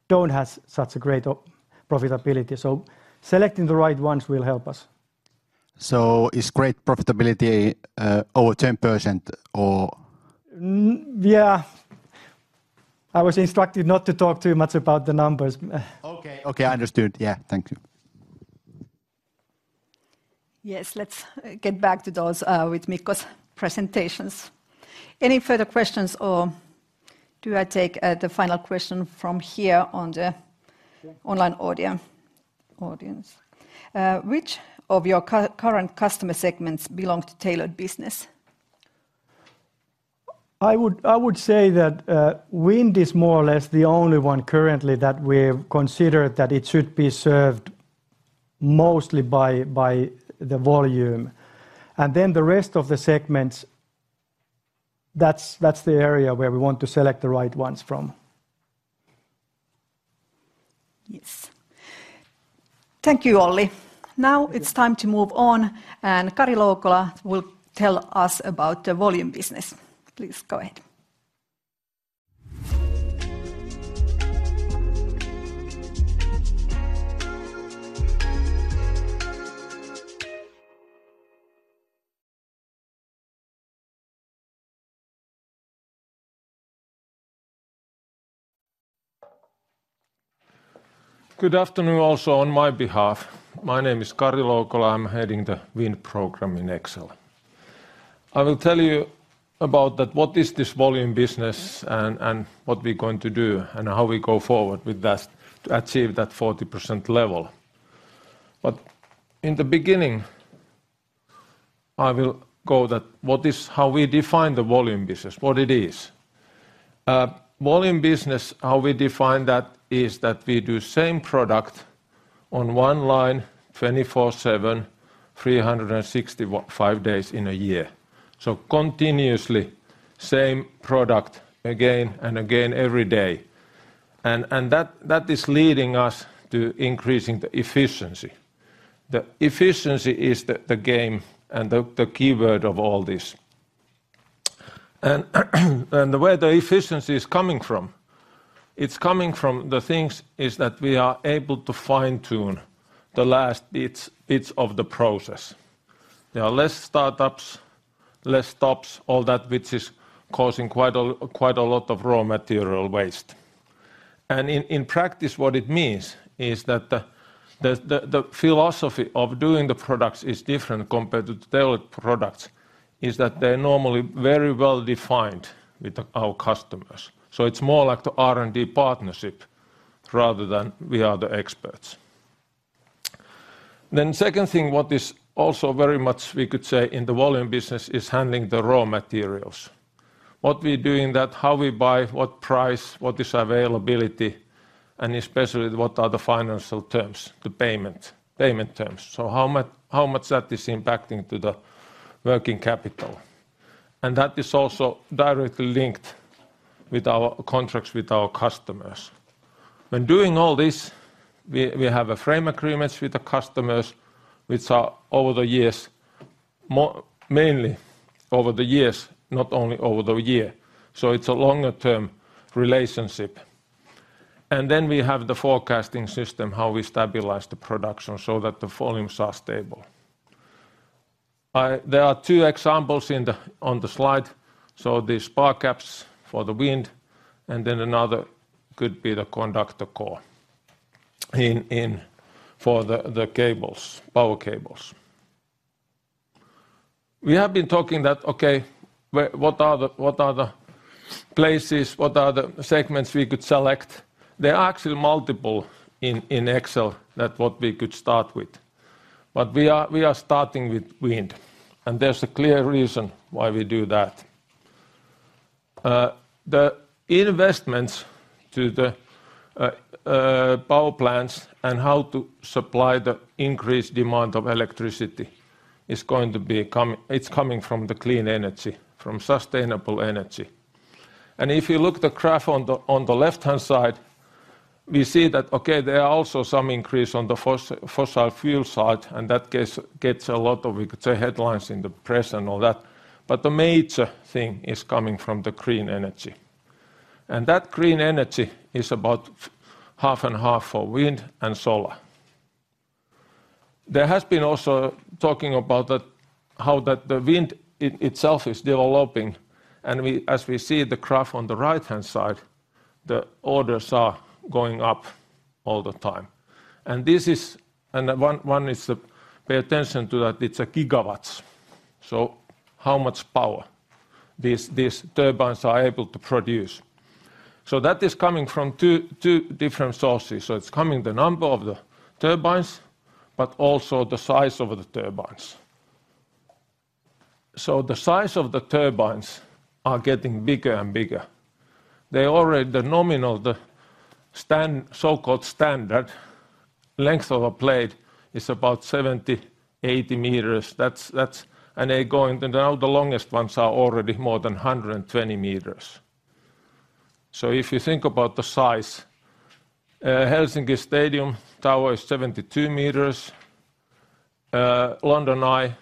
don't have such a great profitability, so selecting the right ones will help us. So is great profitability, over 10% or- Yeah. I was instructed not to talk too much about the numbers. Okay. Okay, I understood. Yeah, thank you. Yes, let's get back to those with Mikko's presentations. Any further questions, or do I take the final question from here on the- Yeah... online audience? Which of your current customer segments belong to tailored business? I would say that wind is more or less the only one currently that we've considered that it should be served mostly by the volume, and then the rest of the segments, that's the area where we want to select the right ones from. Yes. Thank you, Olli. Thank you. Now it's time to move on, and Kari Loukola will tell us about the volume business. Please, go ahead. Good afternoon also on my behalf. My name is Kari Loukola. I'm heading the Wind program in Exel. I will tell you about that, what is this volume business and what we're going to do and how we go forward with that to achieve that 40% level. But in the beginning, I will go that, what is- how we define the volume business, what it is. Volume business, how we define that, is that we do same product on one line, 24/7, 365 days in a year. So continuously, same product again and again, every day. And that is leading us to increasing the efficiency. The efficiency is the game and the key word of all this. Where the efficiency is coming from, it's coming from the things is that we are able to fine-tune the last bits of the process. There are less startups, less stops, all that, which is causing quite a lot of raw material waste. And in practice, what it means is that the philosophy of doing the products is different compared to tailored products, is that they're normally very well-defined with our customers. So it's more like the R&D partnership rather than we are the experts. Then second thing, what is also very much we could say in the volume business, is handling the raw materials. What we do in that, how we buy, what price, what is availability, and especially, what are the financial terms, the payment terms? So how much that is impacting to the working capital. And that is also directly linked with our contracts with our customers. When doing all this, we have frame agreements with the customers, which are over the years, mainly over the years, not only over the year. So it's a longer term relationship. And then we have the forecasting system, how we stabilize the production so that the volumes are stable. There are two examples on the slide. So the spar caps for the wind, and then another could be the conductor core in for the cables, power cables. We have been talking that, okay, what are the places, what are the segments we could select? There are actually multiple in Exel that what we could start with. But we are starting with wind, and there's a clear reason why we do that. The investments to the power plants and how to supply the increased demand of electricity is going to be com- it's coming from the clean energy, from sustainable energy. And if you look at the graph on the left-hand side, we see that, okay, there are also some increase on the fossil fuel side, and that gets a lot of, we could say, headlines in the press and all that, but the major thing is coming from the green energy. And that green energy is about half and half for wind and solar. There has been also talking about that, how that the wind itself is developing, and as we see the graph on the right-hand side, the orders are going up all the time. And this is... And one is to pay attention to that, it's a gigawatts. So how much power these turbines are able to produce. So that is coming from two different sources. So it's coming from the number of the turbines, but also the size of the turbines. So the size of the turbines are getting bigger and bigger. They already. The nominal, the so-called standard length of a blade is about 70, 80 meters. That's, and they're going, and now the longest ones are already more than 120 meters. So if you think about the size, Helsinki Stadium tower is 72 meters, London Eye,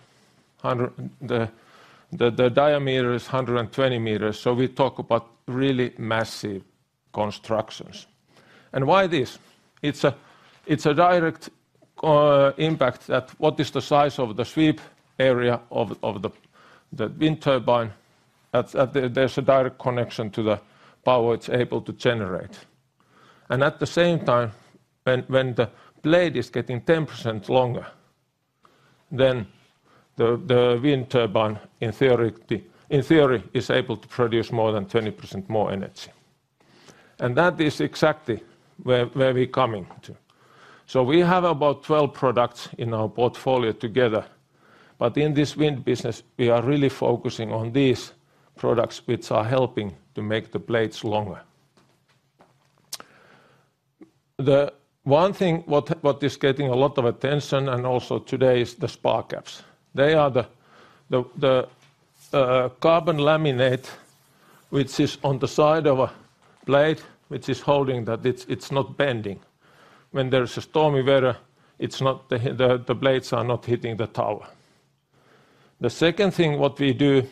the diameter is 120 meters, so we talk about really massive constructions. And why this? It's a direct impact that what is the size of the sweep area of the wind turbine, there's a direct connection to the power it's able to generate. And at the same time, when the blade is getting 10% longer, then the wind turbine, in theory, is able to produce more than 20% more energy. And that is exactly where we're coming to. So we have about 12 products in our portfolio together, but in this wind business, we are really focusing on these products, which are helping to make the blades longer. The one thing what is getting a lot of attention, and also today, is the spar caps. They are the carbon laminate, which is on the side of a blade, which is holding that it's not bending. When there's stormy weather, it's not the blades hitting the tower. The second thing what we do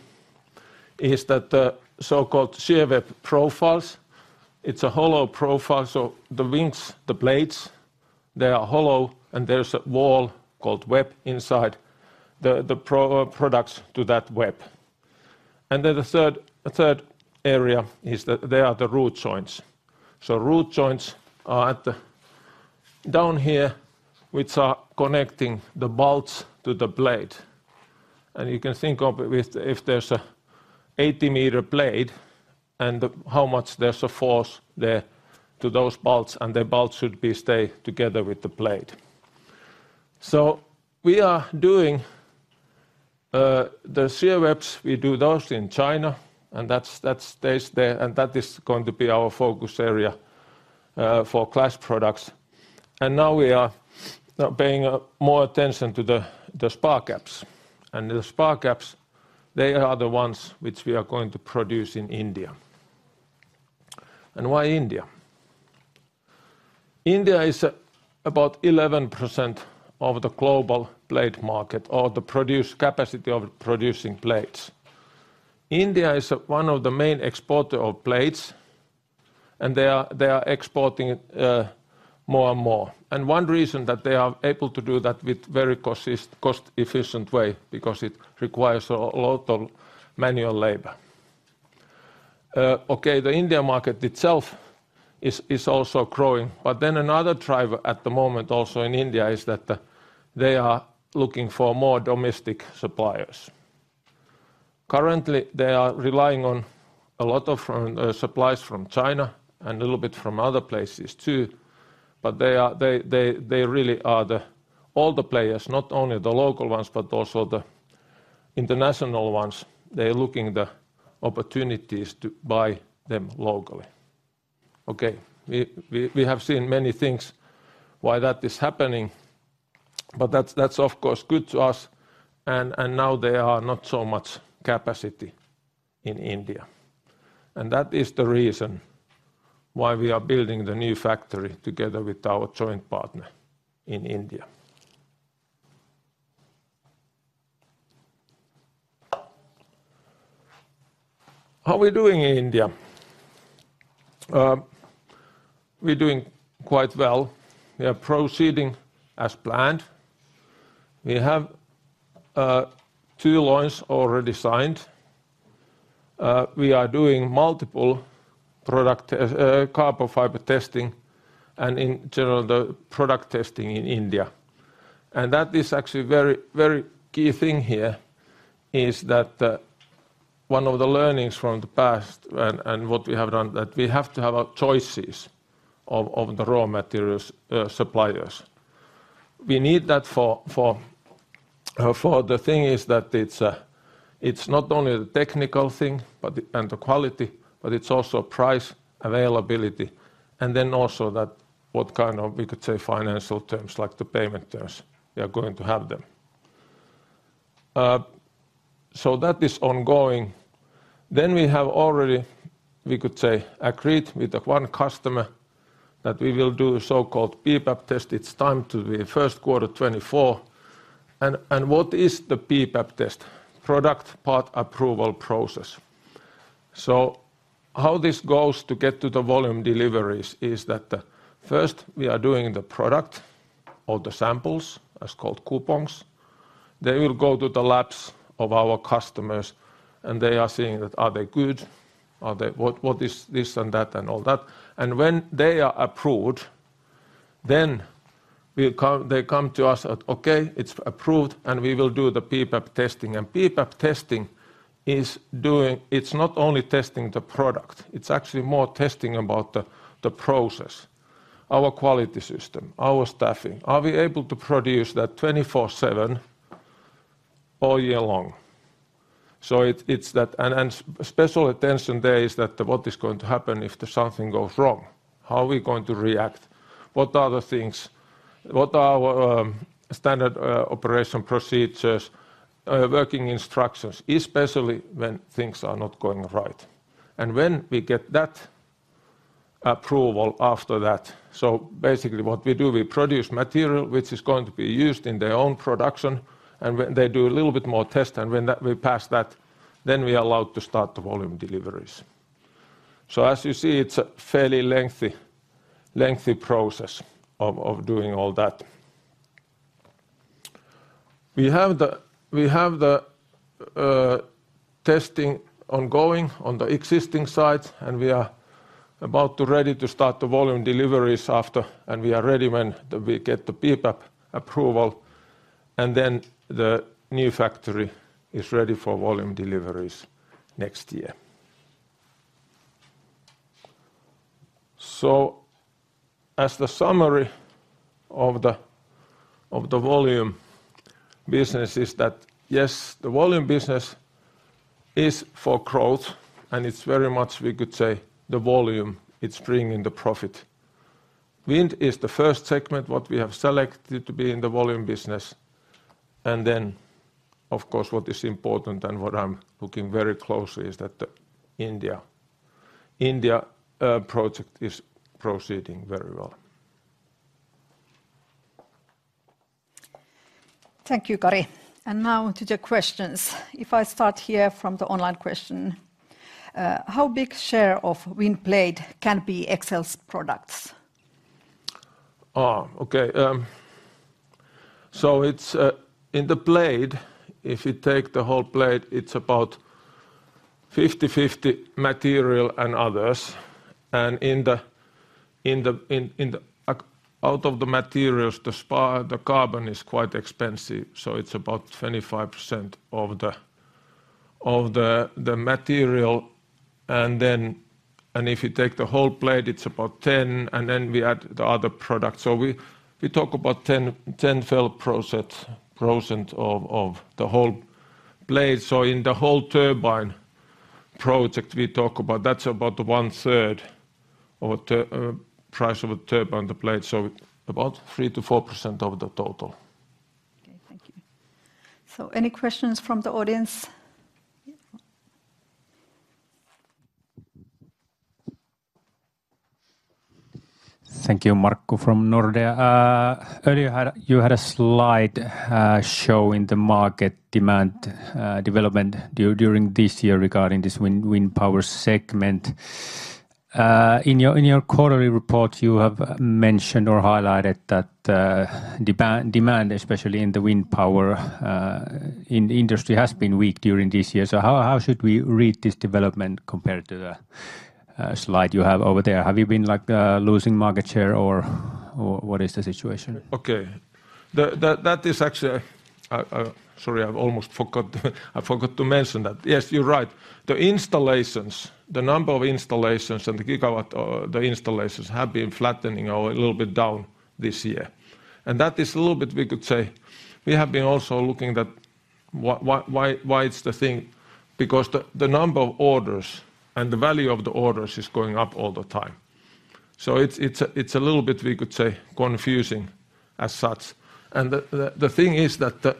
is that the so-called shear web profiles, it's a hollow profile, so the wings, the blades, they are hollow, and there's a wall called web inside the products to that web. And then the third area is the root joints. So root joints are down here, which are connecting the bolts to the blade. And you can think of it if there's a 80-meter blade, and how much there's a force there to those bolts, and the bolts should stay together with the blade. So we are doing the shear webs, we do those in China, and that's that stays there, and that is going to be our focus area for glass products. Now we are paying more attention to the spar caps. The spar caps, they are the ones which we are going to produce in India. Why India? India is about 11% of the global blade market or the production capacity of producing blades. India is one of the main exporter of blades, and they are exporting more and more. One reason that they are able to do that with very cost-efficient way, because it requires a lot of manual labor. Okay, the India market itself is also growing, but then another driver at the moment also in India is that they are looking for more domestic suppliers. Currently, they are relying on a lot of supplies from China and a little bit from other places, too. But they really are all the players, not only the local ones, but also the international ones, they're looking the opportunities to buy them locally. Okay, we have seen many things why that is happening, but that's, of course, good to us, and now there are not so much capacity in India. And that is the reason why we are building the new factory together with our joint partner in India. How we're doing in India? We're doing quite well. We are proceeding as planned. We have two LOIs already signed. We are doing multiple product carbon fiber testing and in general, the product testing in India. And that is actually a very, very key thing here, is that one of the learnings from the past and what we have done, that we have to have our choices of the raw materials suppliers. We need that for the thing is that it's not only the technical thing, but and the quality, but it's also price, availability, and then also that what kind of, we could say, financial terms, like the payment terms, we are going to have them. So that is ongoing. Then we have already, we could say, agreed with the one customer that we will do a so-called PPAP test. It's time to the Q1 2024. And what is the PPAP test? Production Part Approval Process. So how this goes to get to the volume deliveries is that the first we are doing the product or the samples, as called coupons. They will go to the labs of our customers, and they are seeing that are they good? Are they... What, what is this and that, and all that? And when they are approved, then we come-- they come to us at, "Okay, it's approved, and we will do the PPAP testing." And PPAP testing is doing- it's not only testing the product, it's actually more testing about the, the process, our quality system, our staffing. Are we able to produce that 24/7, all year long? So it, it's that... And, and special attention there is that what is going to happen if the something goes wrong? How are we going to react? What are the things? What are our standard operation procedures, working instructions, especially when things are not going right? When we get that approval after that, so basically what we do, we produce material, which is going to be used in their own production, and when they do a little bit more test, and when that we pass that, then we are allowed to start the volume deliveries. So as you see, it's a fairly lengthy, lengthy process of doing all that. We have the testing ongoing on the existing site, and we are about to ready to start the volume deliveries after, and we are ready when we get the PPAP approval, and then the new factory is ready for volume deliveries next year. As the summary of the volume business is that, yes, the volume business is for growth, and it's very much, we could say, the volume, it's bringing the profit. Wind is the first segment what we have selected to be in the volume business, and then, of course, what is important and what I'm looking very closely is that the India project is proceeding very well. Thank you, Kari. And now to the questions. If I start here from the online question: "How big share of wind blade can be Exel's products? So it's in the blade, if you take the whole blade, it's about 50/50 material and others, and in the out of the materials, the spar cap the carbon is quite expensive, so it's about 25% of the material. And then if you take the whole blade, it's about 10, and then we add the other products. So we talk about 10, 10% of the whole blade. So in the whole turbine project, we talk about that's about 1/3 of the price of a turbine, the blade, so about 3%-4% of the total. Okay, thank you. So any questions from the audience? Yeah. Thank you. Markku from Nordea. Earlier, you had a slide showing the market demand development during this year regarding this wind power segment. In your quarterly report, you have mentioned or highlighted that demand, especially in the wind power industry, has been weak during this year. So how should we read this development compared to the slide you have over there. Have you been, like, losing market share or what is the situation? Okay. That is actually... Sorry, I've almost forgot, I forgot to mention that. Yes, you're right. The installations, the number of installations and the gigawatt, the installations have been flattening or a little bit down this year. And that is a little bit, we could say, we have been also looking at what, why it's the thing, because the number of orders and the value of the orders is going up all the time. So it's a little bit, we could say, confusing as such. And the thing is that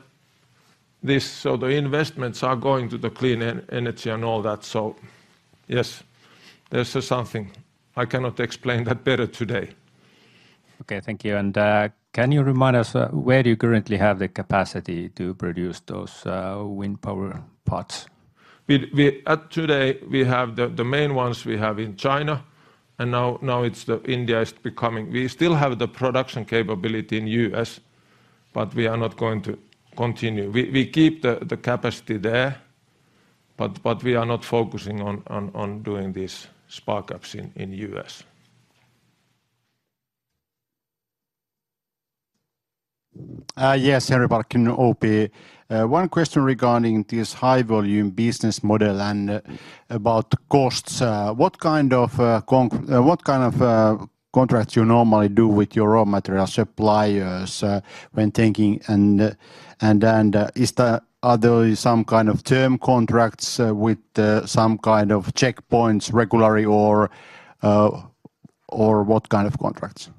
this... So the investments are going to the clean energy and all that. So yes, this is something. I cannot explain that better today. Okay, thank you. And, can you remind us where you currently have the capacity to produce those wind power parts? Today, we have the main ones we have in China, and now it's the India is becoming. We still have the production capability in U.S., but we are not going to continue. We keep the capacity there, but we are not focusing on doing these spar caps in the U.S. Yes, Henri Parkkinen, OP Markets. One question regarding this high-volume business model and about costs. What kind of contracts you normally do with your raw material suppliers, when taking and, and, is there are there some kind of term contracts, with some kind of checkpoints regularly or, or what kind of contracts?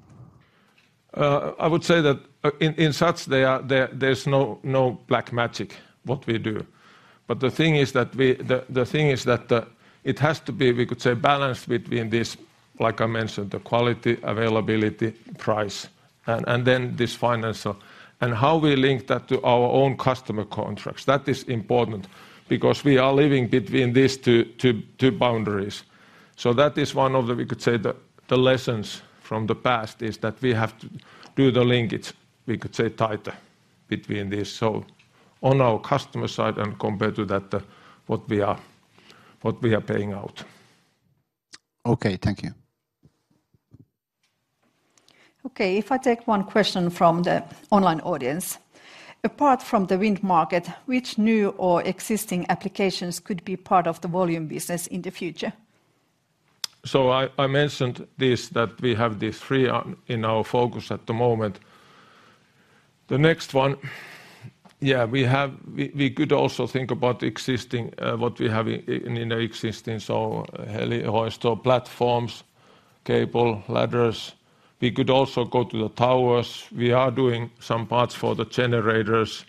I would say that in such, there is no black magic what we do. But the thing is that the thing is that it has to be, we could say, balanced between this, like I mentioned, the quality, availability, price, and then this financial. And how we link that to our own customer contracts, that is important because we are living between these two boundaries. So that is one of the, we could say, the lessons from the past, is that we have to do the linkage, we could say, tighter between these. So on our customer side and compared to that, what we are paying out. Okay, thank you. Okay, if I take one question from the online audience: Apart from the wind market, which new or existing applications could be part of the volume business in the future? So I mentioned this, that we have these three in our focus at the moment. The next one, yeah, we have. We could also think about existing, what we have in the existing, so helihoist or platforms, cable, ladders. We could also go to the towers. We are doing some parts for the generators.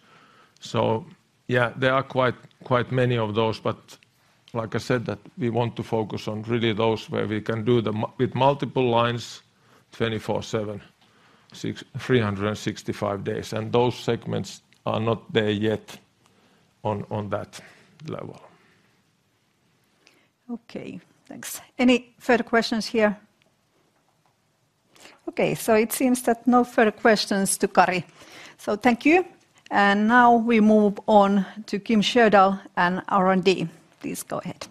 So yeah, there are quite many of those, but like I said, that we want to focus on really those where we can do them with multiple lines, 24/7, 365 days, and those segments are not there yet on that level. Okay, thanks. Any further questions here? Okay, so it seems that no further questions to Kari. So thank you, and now we move on to Kim Sjödahl and R&D. Please go ahead.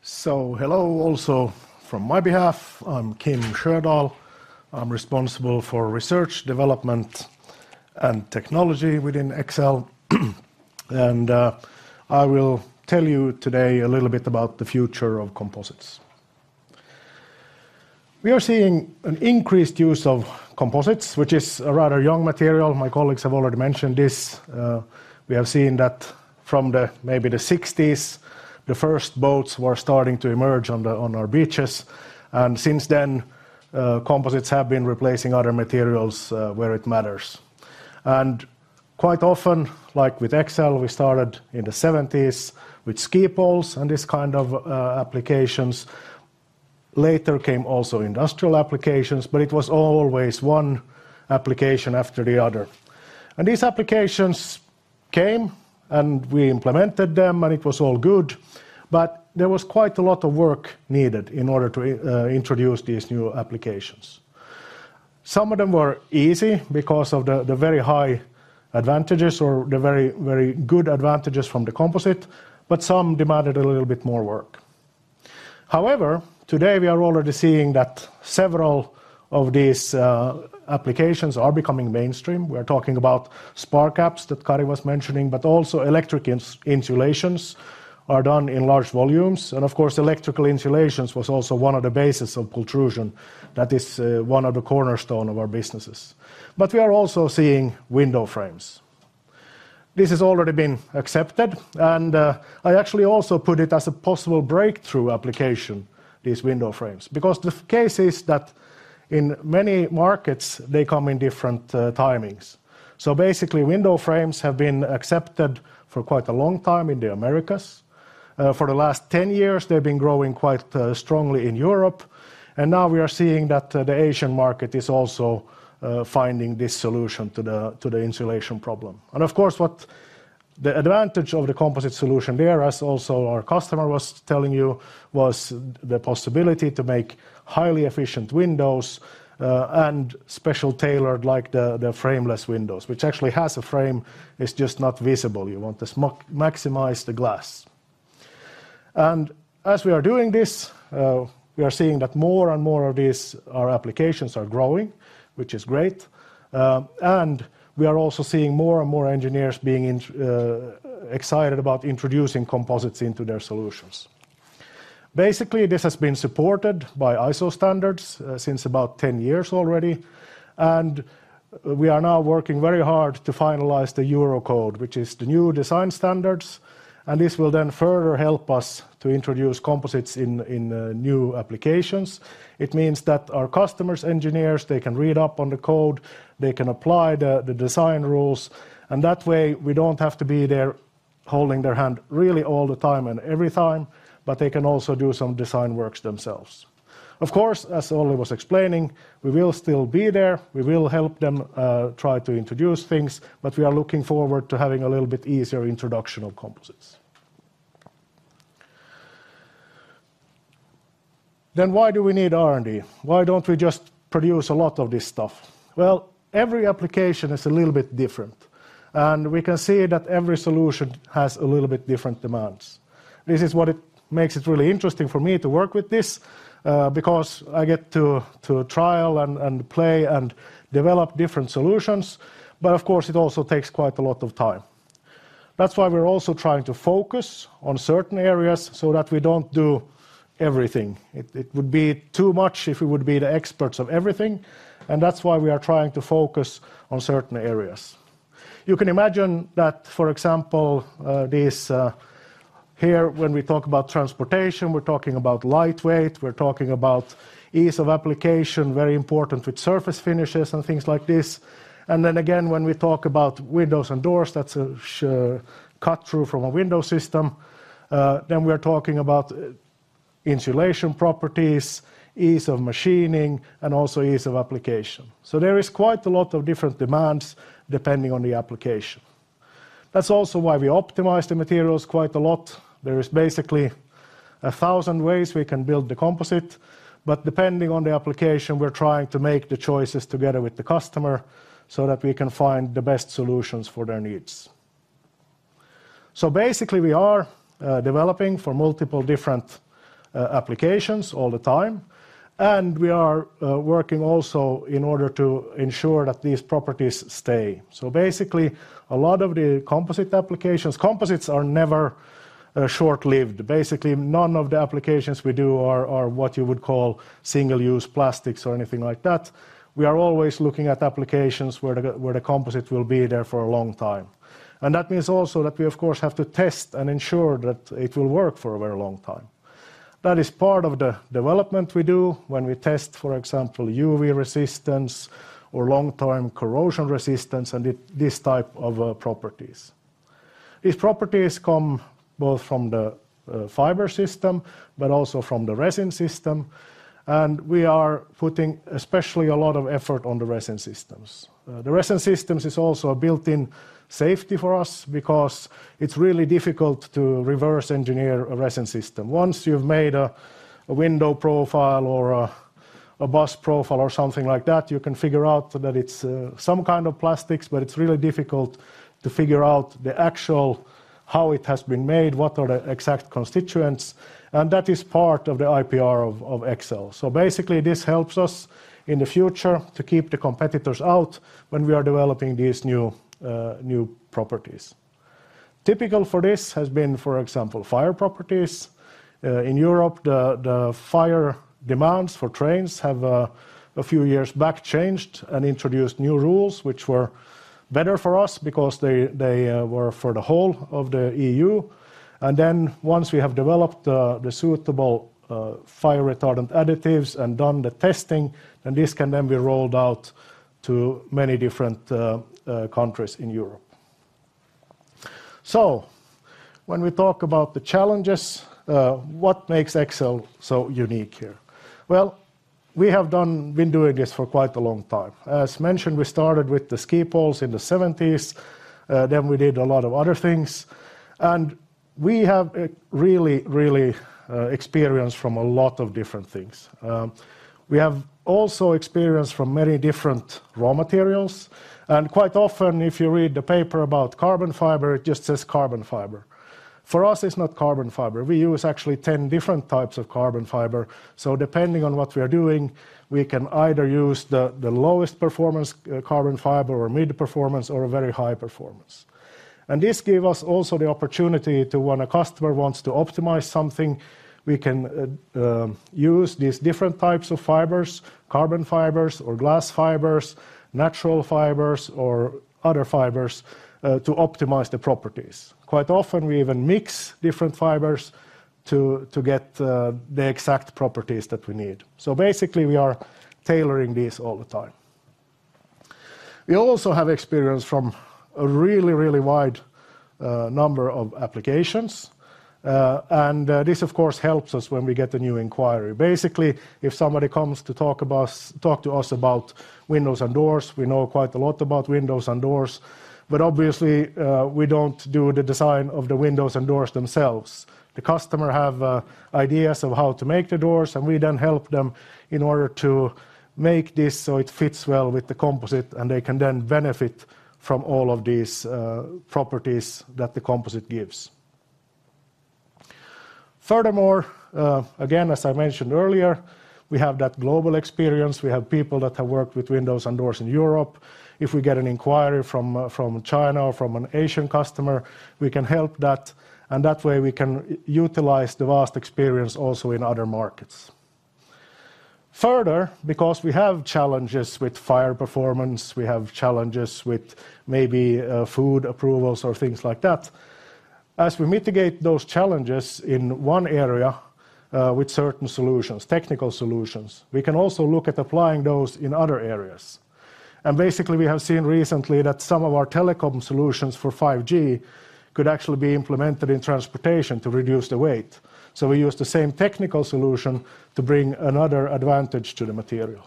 So hello also from my behalf. I'm Kim Sjödahl. I'm responsible for research, development, and technology within Exel. And I will tell you today a little bit about the future of composites. We are seeing an increased use of composites, which is a rather young material. My colleagues have already mentioned this. We have seen that from the, maybe the sixties, the first boats were starting to emerge on the, on our beaches, and since then, composites have been replacing other materials, where it matters. And quite often, like with Exel, we started in the seventies with ski poles and this kind of applications. Later came also industrial applications, but it was always one application after the other. These applications came, and we implemented them, and it was all good, but there was quite a lot of work needed in order to introduce these new applications. Some of them were easy because of the, the very high advantages or the very, very good advantages from the composite, but some demanded a little bit more work. However, today, we are already seeing that several of these applications are becoming mainstream. We're talking about spar caps that Kari was mentioning, but also electrical insulations are done in large volumes. And of course, electrical insulations was also one of the basis of pultrusion. That is one of the cornerstone of our businesses. But we are also seeing window frames. This has already been accepted, and I actually also put it as a possible breakthrough application, these window frames, because the case is that in many markets, they come in different timings. So basically, window frames have been accepted for quite a long time in the Americas. For the last 10 years, they've been growing quite strongly in Europe, and now we are seeing that the Asian market is also finding this solution to the insulation problem. And of course, the advantage of the composite solution there, as also our customer was telling you, was the possibility to make highly efficient windows, and special tailored, like the frameless windows, which actually has a frame, it's just not visible. You want to maximize the glass. And as we are doing this, we are seeing that more and more of these, our applications are growing, which is great. And we are also seeing more and more engineers being excited about introducing composites into their solutions. Basically, this has been supported by ISO standards, since about 10 years already, and we are now working very hard to finalize the Eurocode, which is the new design standards, and this will then further help us to introduce composites in new applications. It means that our customers, engineers, they can read up on the code, they can apply the design rules, and that way, we don't have to be there holding their hand really all the time and every time, but they can also do some design works themselves. Of course, as Ollie was explaining, we will still be there. We will help them try to introduce things, but we are looking forward to having a little bit easier introduction of composites. Then why do we need R&D? Why don't we just produce a lot of this stuff? Well, every application is a little bit different, and we can see that every solution has a little bit different demands. This is what makes it really interesting for me to work with this, because I get to trial and play and develop different solutions. But of course, it also takes quite a lot of time. That's why we're also trying to focus on certain areas so that we don't do everything. It would be too much if we would be the experts of everything, and that's why we are trying to focus on certain areas. You can imagine that, for example, this, here, when we talk about transportation, we're talking about lightweight, we're talking about ease of application, very important with surface finishes and things like this. And then again, when we talk about windows and doors, that's a cut-through from a window system, then we are talking about insulation properties, ease of machining, and also ease of application. So there is quite a lot of different demands depending on the application. That's also why we optimize the materials quite a lot. There is basically 1,000 ways we can build the composite, but depending on the application, we're trying to make the choices together with the customer so that we can find the best solutions for their needs. So basically, we are developing for multiple different applications all the time, and we are working also in order to ensure that these properties stay. So basically, a lot of the composite applications, composites are never short-lived. Basically, none of the applications we do are what you would call single-use plastics or anything like that. We are always looking at applications where the composite will be there for a long time. And that means also that we, of course, have to test and ensure that it will work for a very long time. That is part of the development we do when we test, for example, UV resistance or long-term corrosion resistance, and this type of properties. These properties come both from the fiber system but also from the resin system, and we are putting especially a lot of effort on the resin systems. The resin systems is also a built-in safety for us because it's really difficult to reverse engineer a resin system. Once you've made a window profile or a bus profile or something like that, you can figure out that it's some kind of plastics, but it's really difficult to figure out the actual... how it has been made, what are the exact constituents, and that is part of the IPR of Exel. So basically, this helps us in the future to keep the competitors out when we are developing these new properties. Typical for this has been, for example, fire properties. In Europe, the fire demands for trains have a few years back changed and introduced new rules which were better for us because they were for the whole of the EU. And then once we have developed the suitable fire retardant additives and done the testing, then this can then be rolled out to many different countries in Europe. So when we talk about the challenges, what makes Exel so unique here? Well, we have been doing this for quite a long time. As mentioned, we started with the ski poles in the '70s, then we did a lot of other things, and we have really, really experience from a lot of different things. We have also experience from many different raw materials, and quite often, if you read the paper about carbon fiber, it just says carbon fiber. For us, it's not carbon fiber. We use actually 10 different types of carbon fiber. So depending on what we are doing, we can either use the, the lowest performance, carbon fiber, or mid-performance, or a very high performance. And this give us also the opportunity to when a customer wants to optimize something, we can, use these different types of fibers, carbon fibers or glass fibers, natural fibers or other fibers, to optimize the properties. Quite often, we even mix different fibers to, to get, the exact properties that we need. So basically, we are tailoring this all the time.... We also have experience from a really, really wide, number of applications. And this of course helps us when we get a new inquiry. Basically, if somebody comes to talk to us about windows and doors, we know quite a lot about windows and doors, but obviously we don't do the design of the windows and doors themselves. The customer have ideas of how to make the doors, and we then help them in order to make this so it fits well with the composite, and they can then benefit from all of these properties that the composite gives. Furthermore, again, as I mentioned earlier, we have that global experience. We have people that have worked with windows and doors in Europe. If we get an inquiry from from China or from an Asian customer, we can help that, and that way, we can utilize the vast experience also in other markets. Further, because we have challenges with fire performance, we have challenges with maybe, food approvals or things like that, as we mitigate those challenges in one area, with certain solutions, technical solutions, we can also look at applying those in other areas. And basically, we have seen recently that some of our telecom solutions for 5G could actually be implemented in transportation to reduce the weight. So we use the same technical solution to bring another advantage to the material.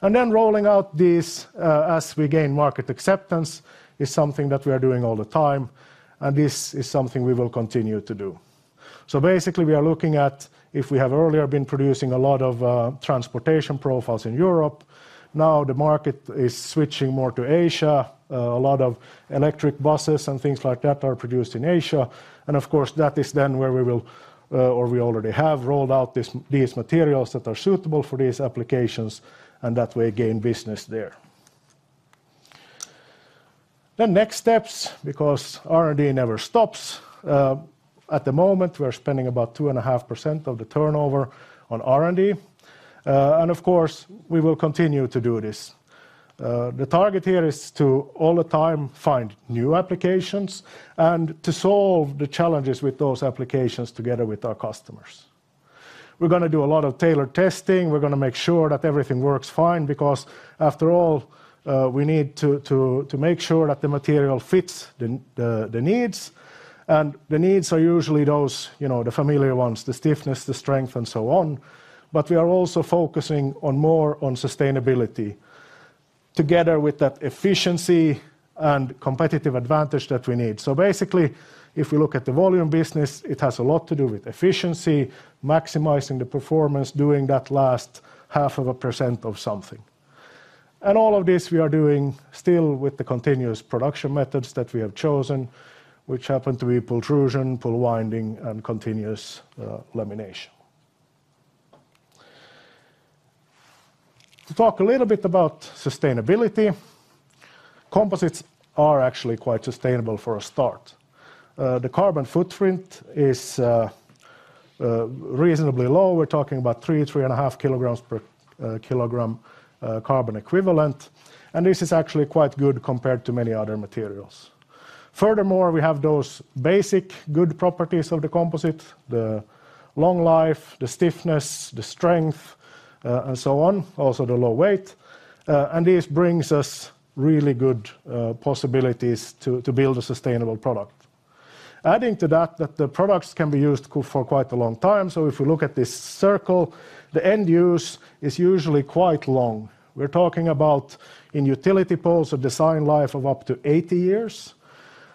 And then rolling out these, as we gain market acceptance, is something that we are doing all the time, and this is something we will continue to do. So basically, we are looking at if we have earlier been producing a lot of transportation profiles in Europe, now the market is switching more to Asia. A lot of electric buses and things like that are produced in Asia, and of course, that is then where we will, or we already have rolled out this, these materials that are suitable for these applications, and that way, gain business there. Next steps, because R&D never stops. At the moment, we're spending about 2.5% of the turnover on R&D, and of course, we will continue to do this. The target here is to all the time find new applications and to solve the challenges with those applications together with our customers. We're gonna do a lot of tailored testing. We're gonna make sure that everything works fine, because after all, we need to make sure that the material fits the needs, and the needs are usually those, you know, the familiar ones, the stiffness, the strength, and so on. But we are also focusing on more on sustainability together with that efficiency and competitive advantage that we need. So basically, if we look at the volume business, it has a lot to do with efficiency, maximizing the performance, doing that last half of a percent of something. And all of this, we are doing still with the continuous production methods that we have chosen, which happen to be pultrusion, pull winding, and continuous lamination. To talk a little bit about sustainability, composites are actually quite sustainable for a start. The carbon footprint is reasonably low. We're talking about 3, 3.5 kilograms per kilogram carbon equivalent, and this is actually quite good compared to many other materials. Furthermore, we have those basic good properties of the composite, the long life, the stiffness, the strength, and so on, also the low weight, and this brings us really good possibilities to build a sustainable product. Adding to that, that the products can be used for quite a long time. So if we look at this circle, the end use is usually quite long. We're talking about in utility poles, a design life of up to 80 years,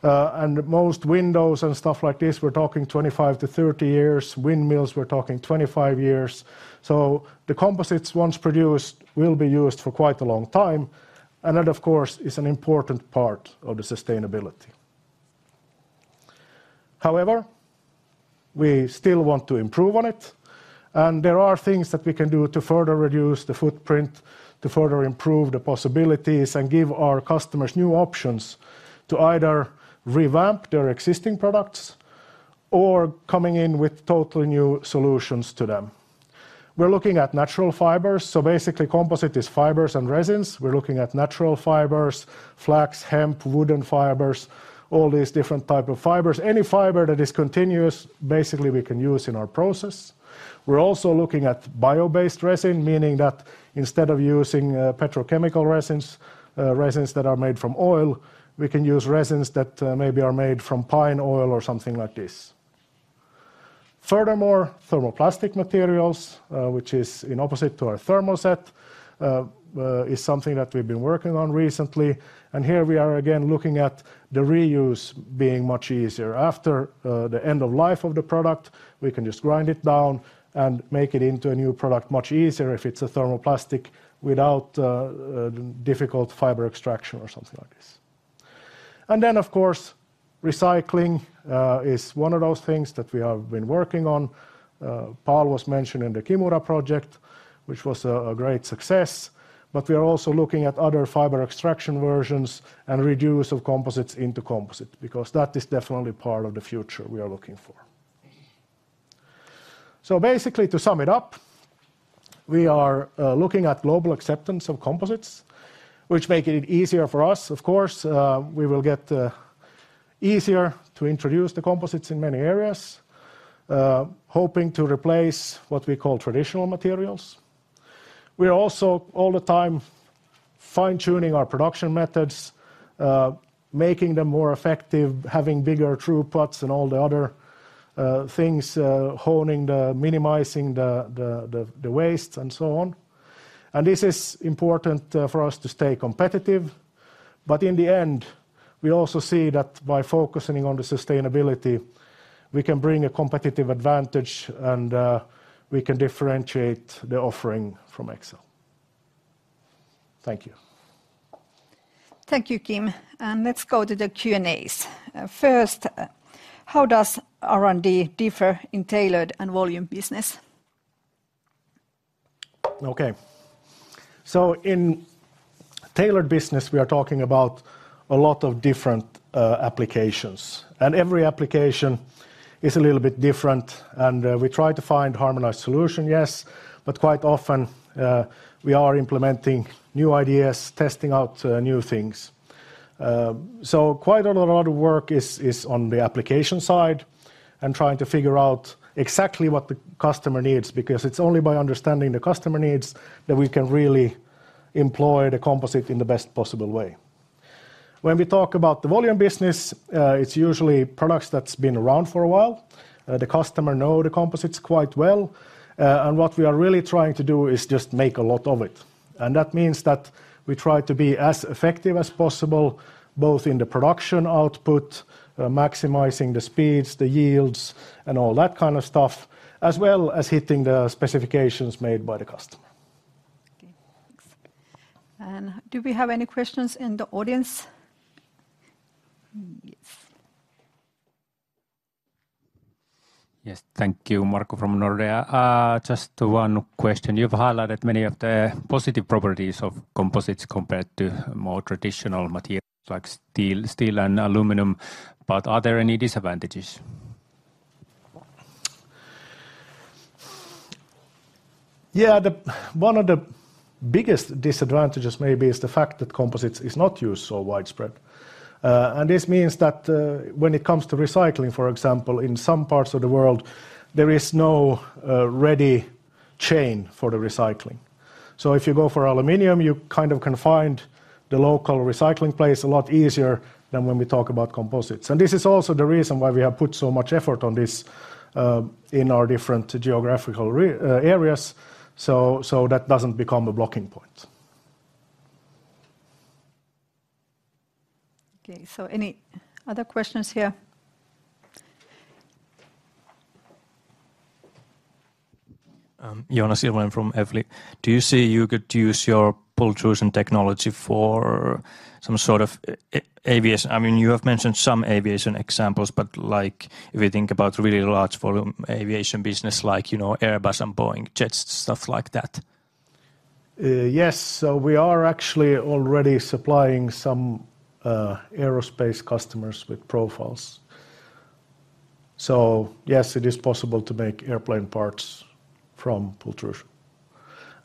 and most windows and stuff like this, we're talking 25-30 years. Windmills, we're talking 25 years. So the composites, once produced, will be used for quite a long time, and that, of course, is an important part of the sustainability. However, we still want to improve on it, and there are things that we can do to further reduce the footprint, to further improve the possibilities, and give our customers new options to either revamp their existing products or coming in with totally new solutions to them. We're looking at natural fibers, so basically, composite is fibers and resins. We're looking at natural fibers, flax, hemp, wooden fibers, all these different type of fibers. Any fiber that is continuous, basically, we can use in our process. We're also looking at bio-based resin, meaning that instead of using petrochemical resins, resins that are made from oil, we can use resins that maybe are made from pine oil or something like this. Furthermore, thermoplastic materials, which is in opposite to our Thermoset, is something that we've been working on recently, and here we are again looking at the reuse being much easier. After, the end of life of the product, we can just grind it down and make it into a new product much easier if it's a thermoplastic, without, difficult fiber extraction or something like this. And then, of course, recycling, is one of those things that we have been w orking on. Paul was mentioning the Kimura project, which was a, a great success, but we are also looking at other fiber extraction versions and reuse of composites into composite, because that is definitely part of the future we are looking for. So basically, to sum it up, we are, looking at global acceptance of composites, which making it easier for us. Of course, we will get easier to introduce the composites in many areas, hoping to replace what we call traditional materials. We are also all the time fine-tuning our production methods, making them more effective, having bigger throughputs and all the other things, minimizing the waste, and so on. This is important for us to stay competitive. In the end, we also see that by focusing on the sustainability, we can bring a competitive advantage, and we can differentiate the offering from Exel. Thank you. Thank you, Kim. Let's go to the Q&As. First, how does R&D differ in tailored and volume business? Okay. So in tailored business, we are talking about a lot of different applications, and every application is a little bit different, and we try to find harmonized solution, yes, but quite often we are implementing new ideas, testing out new things. So quite a lot of work is on the application side and trying to figure out exactly what the customer needs, because it's only by understanding the customer needs that we can really employ the composite in the best possible way. When we talk about the volume business, it's usually products that's been around for a while. The customer know the composites quite well, and what we are really trying to do is just make a lot of it. That means that we try to be as effective as possible, both in the production output, maximizing the speeds, the yields, and all that kind of stuff, as well as hitting the specifications made by the customer. Okay, thanks. Do we have any questions in the audience? Yes. Yes, thank you. Marco from Nordea. Just one question. You've highlighted many of the positive properties of composites compared to more traditional materials, like steel, steel and aluminum, but are there any disadvantages? Yeah, one of the biggest disadvantages maybe is the fact that composites is not used so widespread. And this means that, when it comes to recycling, for example, in some parts of the world, there is no ready chain for the recycling. So if you go for aluminum, you kind of can find the local recycling place a lot easier than when we talk about composites. And this is also the reason why we have put so much effort on this, in our different geographical areas, so, so that doesn't become a blocking point. Okay, so any other questions here? Joonas Silvén from Evli. Do you see you could use your pultrusion technology for some sort of aviation? I mean, you have mentioned some aviation examples, but, like, if you think about really large volume aviation business, like, you know, Airbus and Boeing jets, stuff like that. Yes, so we are actually already supplying some aerospace customers with profiles. So, yes, it is possible to make airplane parts from pultrusion.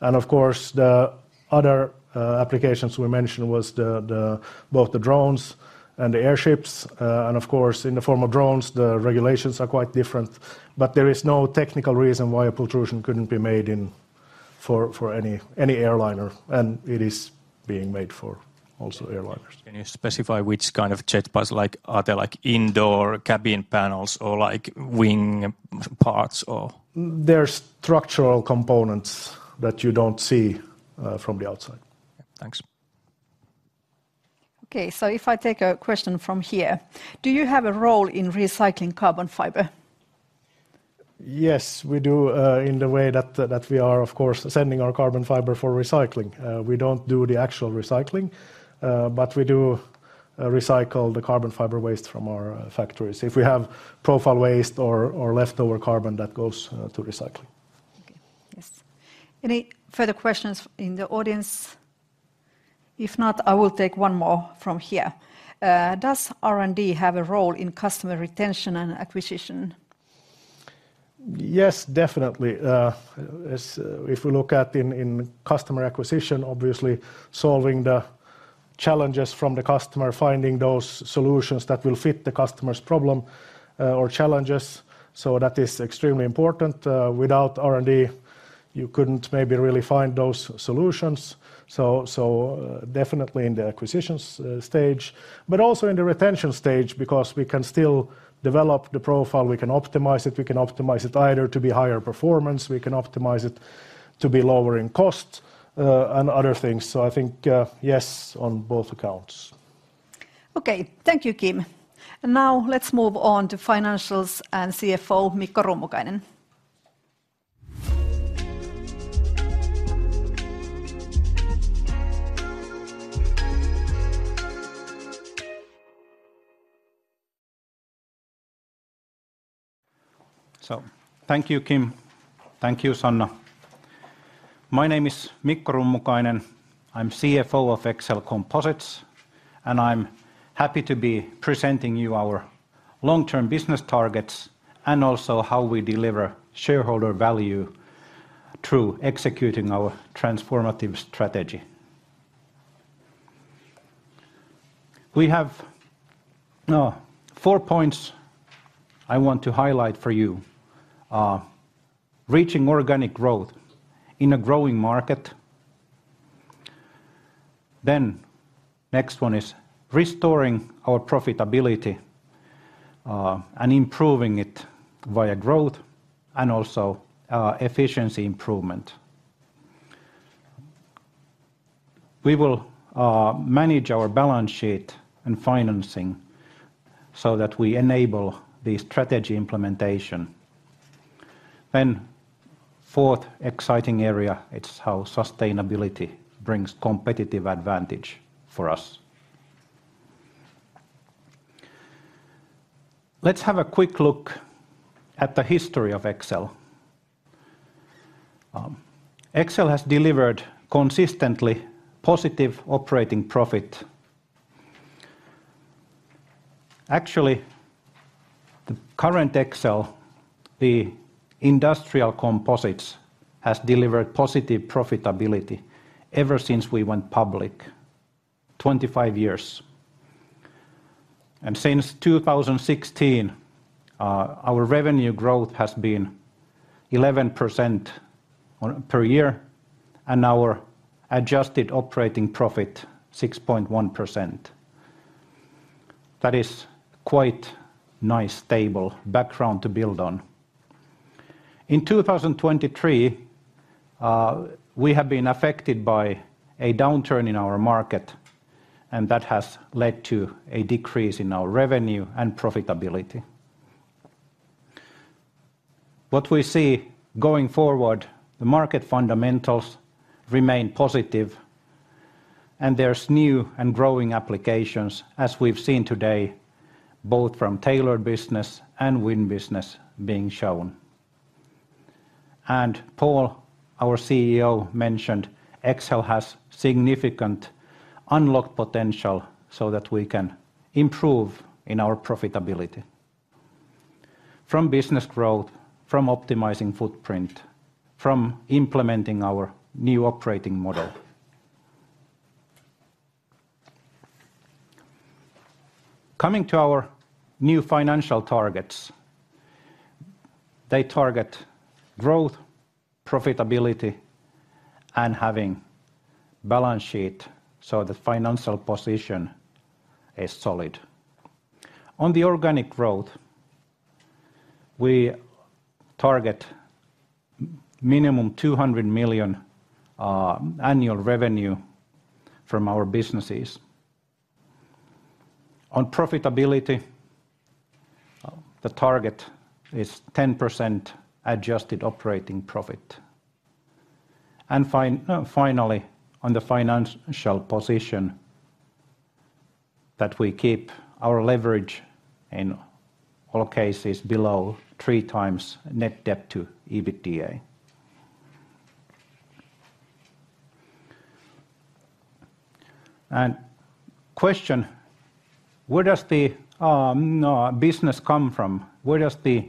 And of course, the other applications we mentioned was the both the drones and the airships. And of course, in the form of drones, the regulations are quite different. But there is no technical reason why a pultrusion couldn't be made for any airliner, and it is being made for also airliners. Can you specify which kind of jet parts? Like, are they like indoor cabin panels or like wing parts or? They're structural components that you don't see from the outside. Thanks. Okay, so if I take a question from here: Do you have a role in recycling carbon fiber? Yes, we do, in the way that we are, of course, sending our carbon fiber for recycling. We don't do the actual recycling, but we do recycle the carbon fiber waste from our factories. If we have profile waste or leftover carbon, that goes to recycling. Okay. Yes. Any further questions in the audience? If not, I will take one more from here. Does R&D have a role in customer retention and acquisition? Yes, definitely. As if we look at in customer acquisition, obviously, solving the challenges from the customer, finding those solutions that will fit the customer's problem, or challenges, so that is extremely important. Without R&D, you couldn't maybe really find those solutions. So, so definitely in the acquisitions stage, but also in the retention stage, because we can still develop the profile, we can optimize it, we can optimize it either to be higher performance, we can optimize it to be lower in cost, and other things. So I think, yes, on both accounts. Okay. Thank you, Kim. And now let's move on to financials and CFO, Mikko Rummukainen. So thank you, Kim. Thank you, Sanna. My name is Mikko Rummukainen. I'm CFO of Exel Composites, and I'm happy to be presenting you our long-term business targets and also how we deliver shareholder value through executing our transformative strategy. We have four points I want to highlight for you. Reaching organic growth in a growing market. Then, next one is restoring our profitability and improving it via growth and also efficiency improvement. We will manage our balance sheet and financing so that we enable the strategy implementation. Then fourth exciting area, it's how sustainability brings competitive advantage for us. Let's have a quick look at the history of Exel. Exel has delivered consistently positive operating profit. Actually, the current Exel, the industrial composites, has delivered positive profitability ever since we went public, 25 years. Since 2016, our revenue growth has been 11% per year, and our adjusted operating profit, 6.1%. That is quite nice, stable background to build on. In 2023, we have been affected by a downturn in our market, and that has led to a decrease in our revenue and profitability. What we see going forward, the market fundamentals remain positive, and there's new and growing applications, as we've seen today, both from tailored business and wind business being shown. Paul, our CEO, mentioned Exel has significant unlocked potential so that we can improve in our profitability from business growth, from optimizing footprint, from implementing our new operating model. Coming to our new financial targets, they target growth, profitability, and having balance sheet so the financial position is solid. On the organic growth, we target minimum EUR 200 million annual revenue from our businesses. On profitability, the target is 10% adjusted operating profit. And finally, on the financial position, that we keep our leverage in all cases below three times net debt to EBITDA. And question: Where does the business come from? Where does the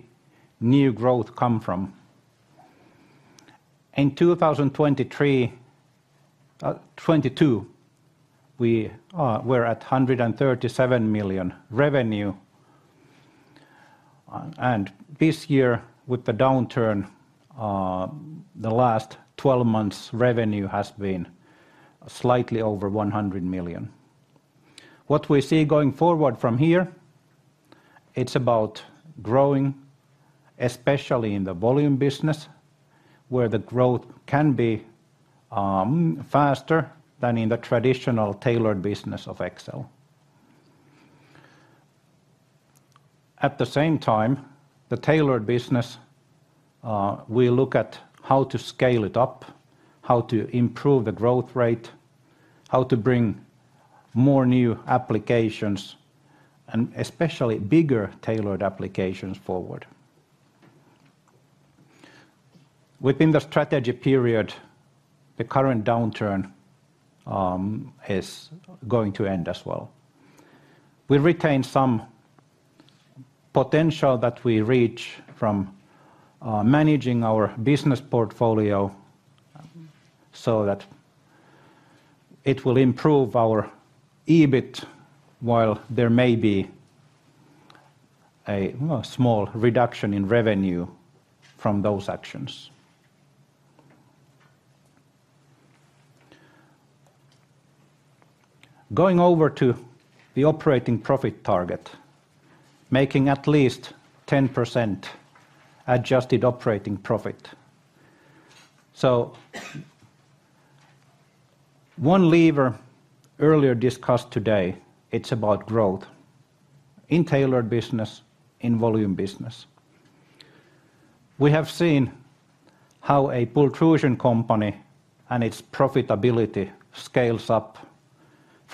new growth come from? In 2023, 2022, we were at 137 million revenue. And this year, with the downturn, the last twelve months' revenue has been slightly over 100 million. What we see going forward from here, it's about growing, especially in the volume business, where the growth can be faster than in the traditional tailored business of Exel. At the same time, the tailored business, we look at how to scale it up, how to improve the growth rate, how to bring more new applications, and especially bigger tailored applications forward. Within the strategy period, the current downturn is going to end as well. We retain some potential that we reach from managing our business portfolio, so that it will improve our EBIT, while there may be a well small reduction in revenue from those actions. Going over to the operating profit target, making at least 10% adjusted operating profit. So one lever earlier discussed today, it's about growth in tailored business, in volume business. We have seen how a pultrusion company and its profitability scales up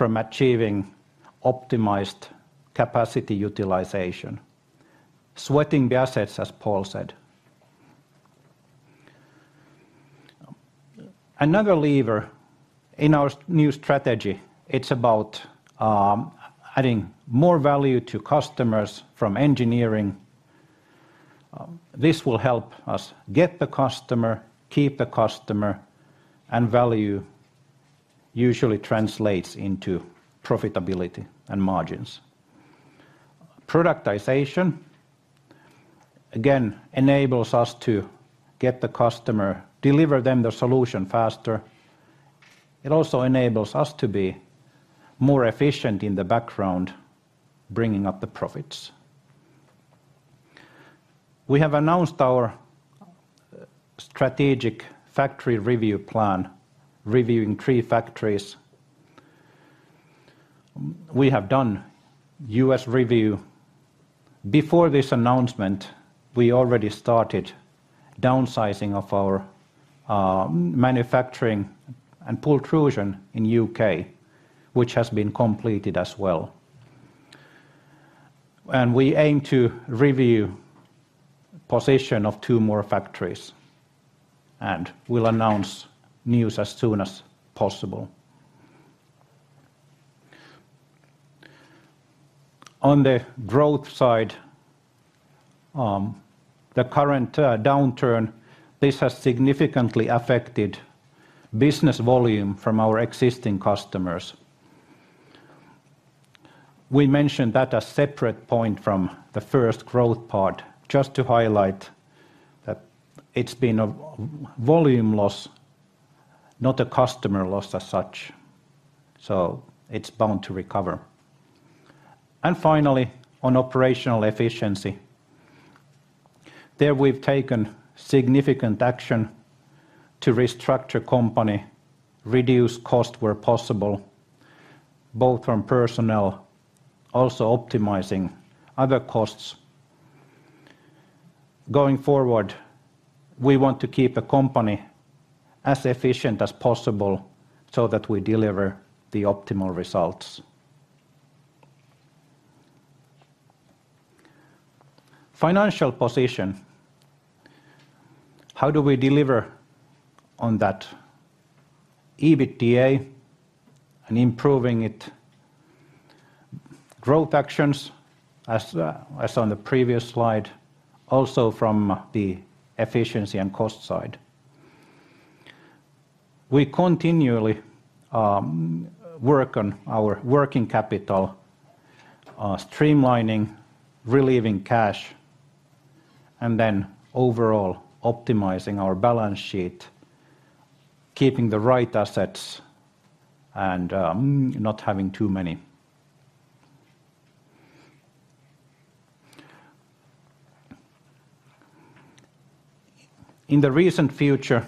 from achieving optimized capacity utilization, sweating the assets, as Paul said. Another lever in our new strategy, it's about adding more value to customers from engineering. This will help us get the customer, keep the customer, and value usually translates into profitability and margins. Productization, again, enables us to get the customer, deliver them the solution faster. It also enables us to be more efficient in the background, bringing up the profits. We have announced our strategic factory review plan, reviewing three factories. We have done US review. Before this announcement, we already started downsizing of our manufacturing and pultrusion in UK, which has been completed as well. And we aim to review position of two more factories, and we'll announce news as soon as possible. On the growth side, the current downturn, this has significantly affected business volume from our existing customers. We mentioned that a separate point from the first growth part, just to highlight that it's been a volume loss, not a customer loss as such, so it's bound to recover. Finally, on operational efficiency, there we've taken significant action to restructure company, reduce cost where possible, both from personnel, also optimizing other costs. Going forward, we want to keep the company as efficient as possible so that we deliver the optimal results. Financial position. How do we deliver on that EBITDA and improving it? Growth actions, as, as on the previous slide, also from the efficiency and cost side. We continually work on our working capital, streamlining, relieving cash, and then overall optimizing our balance sheet, keeping the right assets and, not having too many. In the recent future,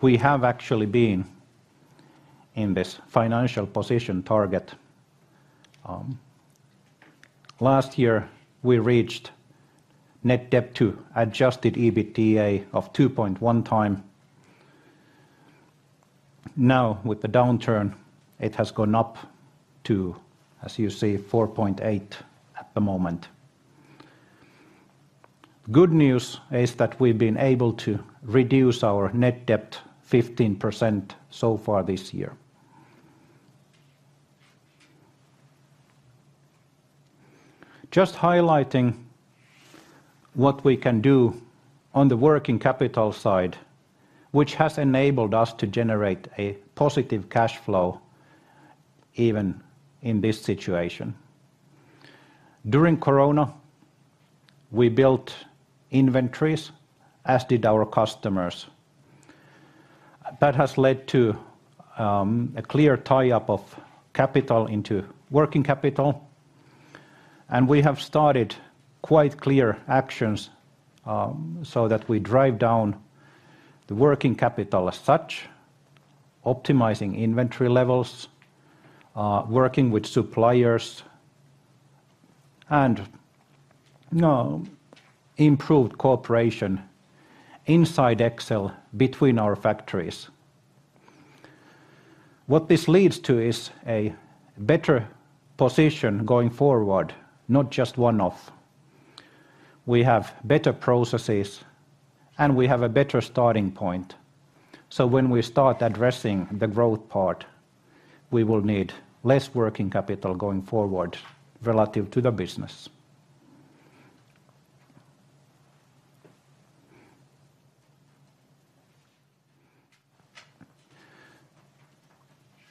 we have actually been in this financial position target. Last year, we reached net debt to adjusted EBITDA of 2.1x. Now, with the downturn, it has gone up to, as you see, 4.8x at the moment. Good news is that we've been able to reduce our net debt 15% so far this year. Just highlighting what we can do on the working capital side, which has enabled us to generate a positive cash flow even in this situation. During Corona, we built inventories, as did our customers. That has led to a clear tie-up of capital into working capital, and we have started quite clear actions so that we drive down the working capital as such, optimizing inventory levels, working with suppliers, and now, improved cooperation inside Exel between our factories. What this leads to is a better position going forward, not just one-off. We have better processes, and we have a better starting point. So when we start addressing the growth part, we will need less working capital going forward relative to the business.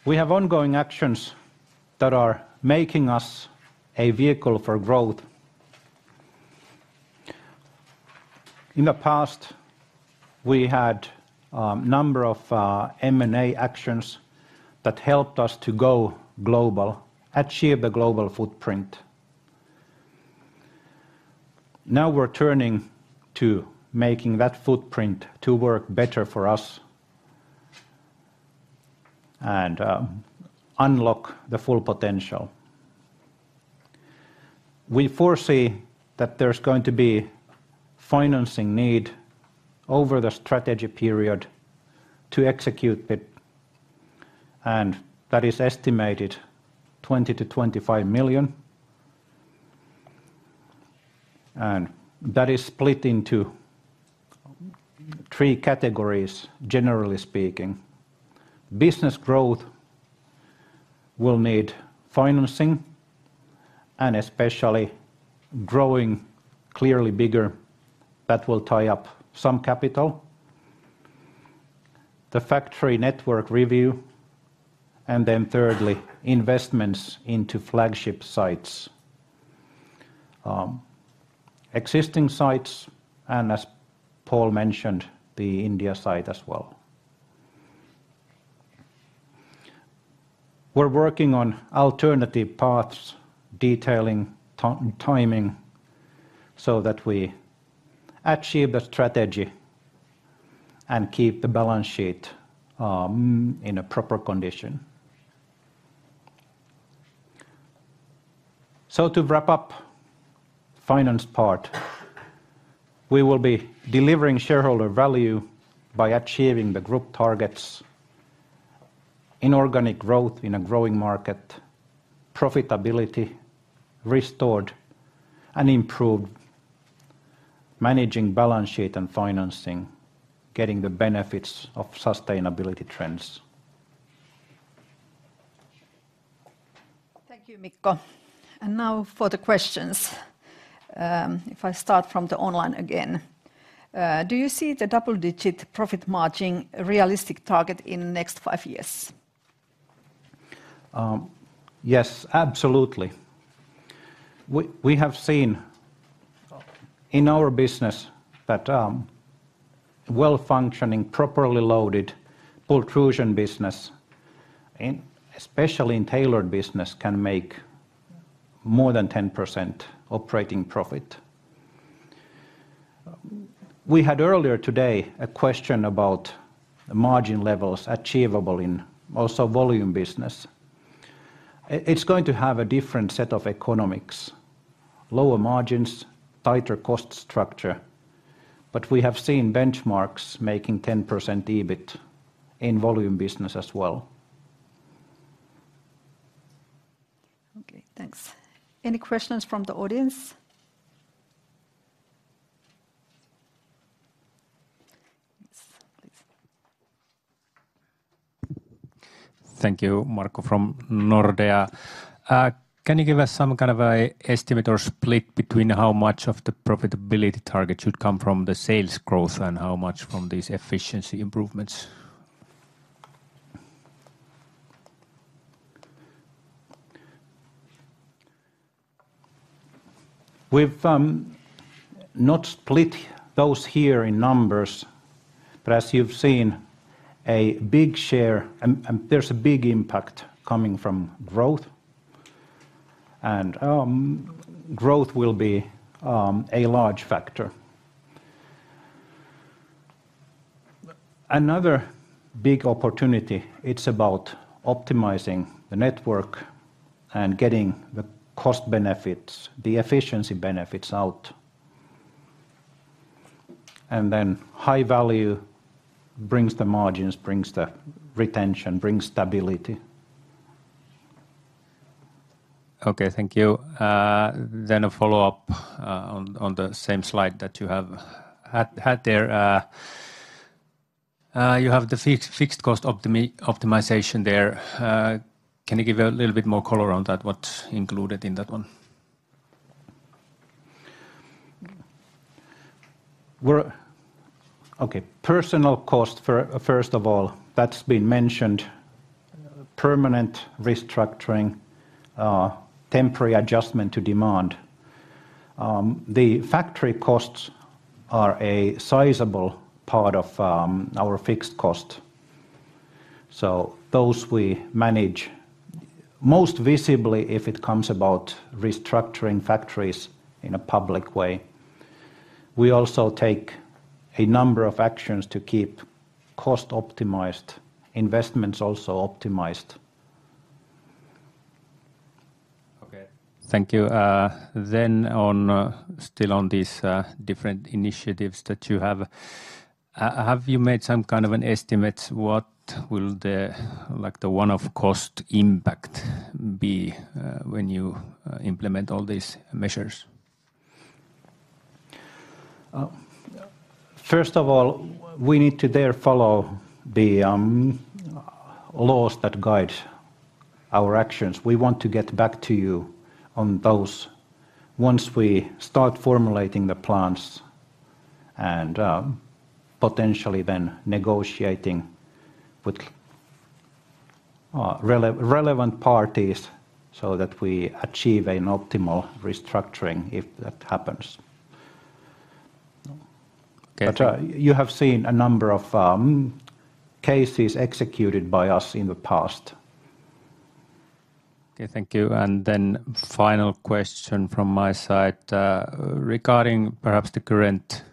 We have ongoing actions that are making us a vehicle for growth. In the past, we had a number of M&A actions that helped us to go global, achieve the global footprint. Now, we're turning to making that footprint to work better for us and unlock the full potential. We foresee that there's going to be financing need over the strategy period to execute it, and that is estimated 20-25 million, and that is split into three categories, generally speaking. Business growth will need financing, and especially growing clearly bigger, that will tie up some capital. The factory network review, and then thirdly, investments into flagship sites. Existing sites, and as Paul mentioned, the India site as well. We're working on alternative paths, detailing timing, so that we achieve the strategy and keep the balance sheet in a proper condition. So to wrap up finance part, we will be delivering shareholder value by achieving the group targets: inorganic growth in a growing market. Profitability restored and improved. Managing balance sheet and financing. Getting the benefits of sustainability trends. Thank you, Mikko. Now for the questions. If I start from the online again, "Do you see the double-digit profit margin a realistic target in the next five years? Yes, absolutely. We, we have seen in our business that well-functioning, properly loaded pultrusion business, especially in tailored business, can make more than 10% operating profit. We had earlier today a question about the margin levels achievable in also volume business. It's going to have a different set of economics: lower margins, tighter cost structure. But we have seen benchmarks making 10% EBIT in volume business as well. Okay, thanks. Any questions from the audience? Yes, please. Thank you. Marco from Nordea. Can you give us some kind of a estimate or split between how much of the profitability target should come from the sales growth and how much from these efficiency improvements? We've not split those here in numbers, but as you've seen, a big share. There's a big impact coming from growth, and growth will be a large factor. Another big opportunity, it's about optimizing the network and getting the cost benefits, the efficiency benefits out. And then high value brings the margins, brings the retention, brings stability. Okay, thank you. Then a follow-up on the same slide that you have had there. You have the fixed cost optimization there. Can you give a little bit more color on that? What's included in that one? Okay, personnel cost, first of all, that's been mentioned, permanent restructuring, temporary adjustment to demand. The factory costs are a sizable part of our fixed cost, so those we manage most visibly if it comes about restructuring factories in a public way. We also take a number of actions to keep cost optimized, investments also optimized. Okay, thank you. Then on, still on these different initiatives that you have, have you made some kind of an estimate what will the, like, the one-off cost impact be, when you implement all these measures? First of all, we need therefore to follow the laws that guide our actions. We want to get back to you on those once we start formulating the plans and potentially then negotiating with relevant parties so that we achieve an optimal restructuring, if that happens. Okay. But, you have seen a number of cases executed by us in the past. Okay, thank you. Then final question from my side, regarding perhaps the current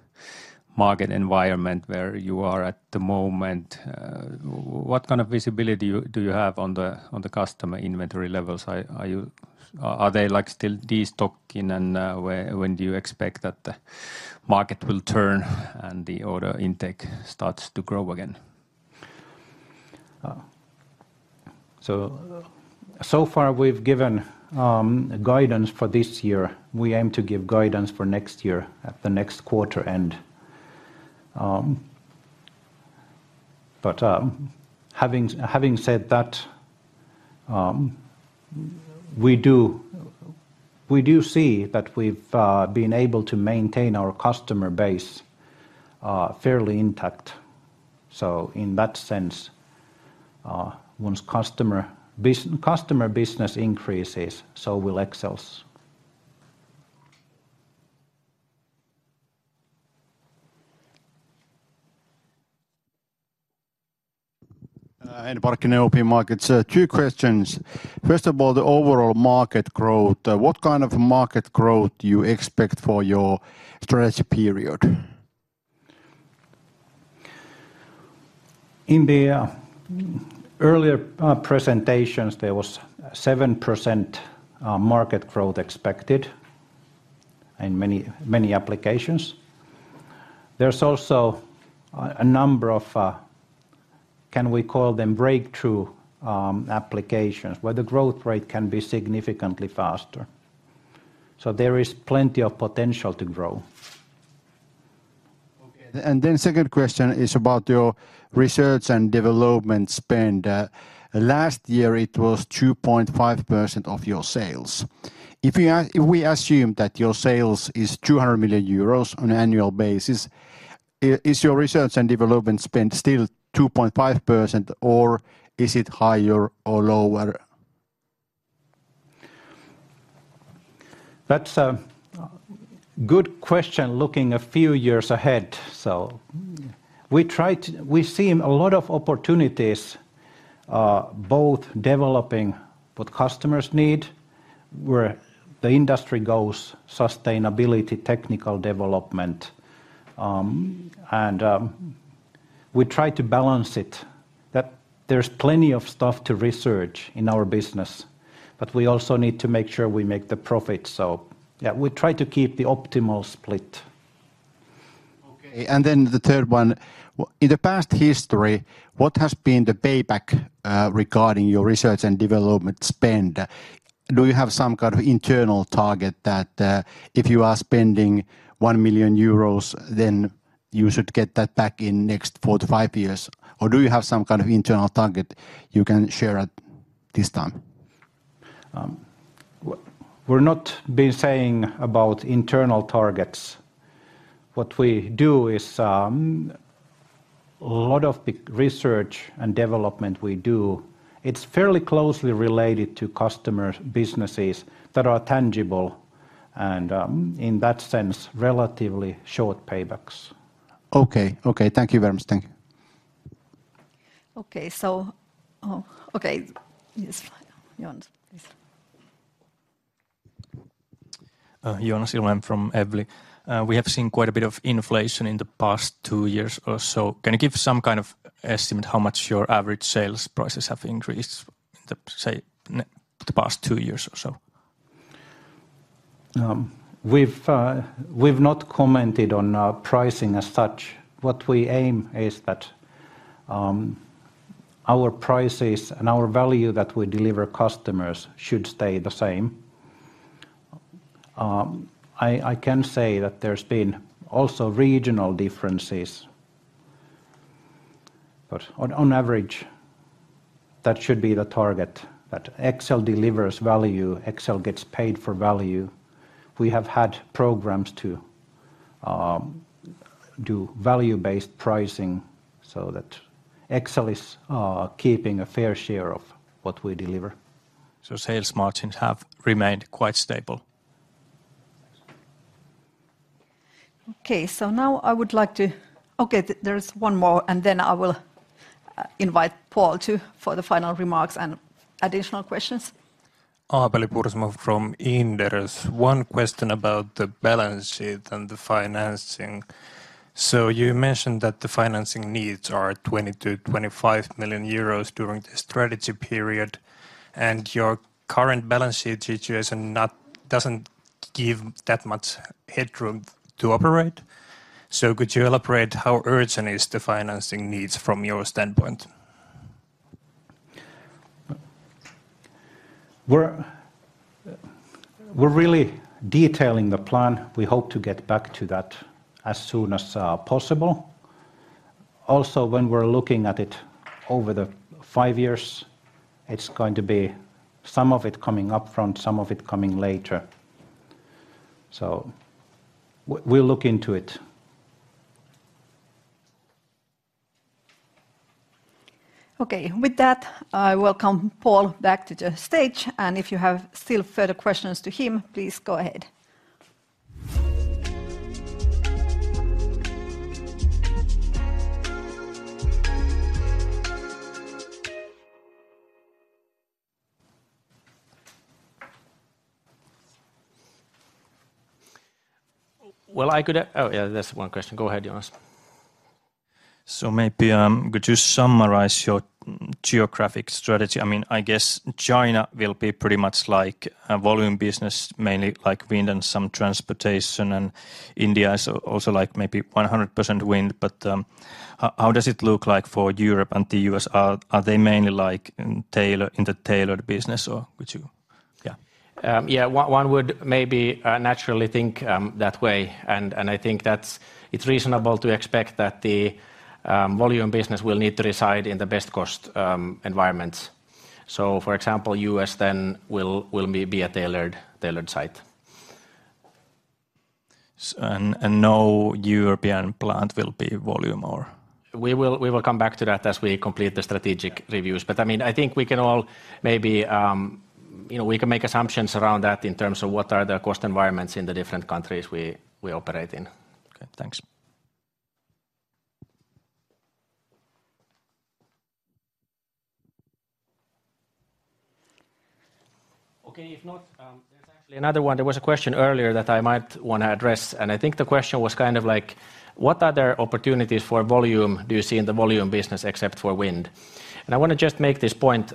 market environment where you are at the moment, what kind of visibility do you, do you have on the, on the customer inventory levels? Are they, like, still destocking, and when do you expect that the market will turn and the order intake starts to grow again?... So far we've given guidance for this year. We aim to give guidance for next year at the next quarter end. But having said that, we do see that we've been able to maintain our customer base fairly intact. So in that sense, once customer business increases, so will Exel's. Henri Parkkinen, OP Markets. Two questions. First of all, the overall market growth. What kind of market growth do you expect for your strategy period? In the earlier presentations, there was 7% market growth expected in many, many applications. There's also a number of can we call them breakthrough applications, where the growth rate can be significantly faster. So there is plenty of potential to grow. Okay. And then second question is about your research and development spend. Last year it was 2.5% of your sales. If we assume that your sales is 200 million euros on an annual basis, is your research and development spend still 2.5%, or is it higher or lower? That's a good question, looking a few years ahead. So we try to... We've seen a lot of opportunities, both developing what customers need, where the industry goes, sustainability, technical development, and we try to balance it. That there's plenty of stuff to research in our business, but we also need to make sure we make the profit. So yeah, we try to keep the optimal split. Okay, and then the third one: in the past history, what has been the payback, regarding your research and development spend? Do you have some kind of internal target that, if you are spending 1 million euros, then you should get that back in next four to five years? Or do you have some kind of internal target you can share at this time? We're not been saying about internal targets. What we do is a lot of the research and development we do. It's fairly closely related to customer's businesses that are tangible and, in that sense, relatively short paybacks. Okay. Okay, thank you very much. Thank you. Okay. Oh, okay. Yes, Joona, please. Joona Silvén from Evli. We have seen quite a bit of inflation in the past two years or so. Can you give some kind of estimate how much your average sales prices have increased in the, say, the past two years or so? We've, we've not commented on our pricing as such. What we aim is that, our prices and our value that we deliver customers should stay the same. I can say that there's been also regional differences, but on average, that should be the target, that Exel delivers value, Exel gets paid for value. We have had programs to do value-based pricing so that Exel is keeping a fair share of what we deliver. So sales margins have remained quite stable? Okay, so now I would like to... Okay, there is one more, and then I will invite Paul for the final remarks and additional questions. Aapeli Pursimo from Inderes. One question about the balance sheet and the financing. So you mentioned that the financing needs are 20 million-25 million euros during the strategy period, and your current balance sheet situation doesn't give that much headroom to operate. So could you elaborate how urgent is the financing needs from your standpoint? We're really detailing the plan. We hope to get back to that as soon as possible. Also, when we're looking at it over the five years, it's going to be some of it coming up front, some of it coming later. So we'll look into it. Okay. With that, I welcome Paul back to the stage, and if you have still further questions to him, please go ahead. Well, I could oh, yeah, there's one question. Go ahead, Joona. So maybe, could you summarize your geographic strategy? I mean, I guess China will be pretty much like a volume business, mainly like wind and some transportation, and India is also like maybe 100% wind. But, how does it look like for Europe and the US? Are they mainly like in tailor, in the tailored business, or would you-... Yeah, yeah, one would maybe naturally think that way. And I think that it's reasonable to expect that the volume business will need to reside in the best cost environments. So for example, U.S. then will be a tailored site. And no European plant will be volume or? We will come back to that as we complete the strategic reviews. But, I mean, I think we can all maybe, you know, we can make assumptions around that in terms of what are the cost environments in the different countries we operate in. Okay, thanks. Okay, if not, there's actually another one. There was a question earlier that I might want to address, and I think the question was kind of like: What other opportunities for volume do you see in the volume business except for wind? And I want to just make this point,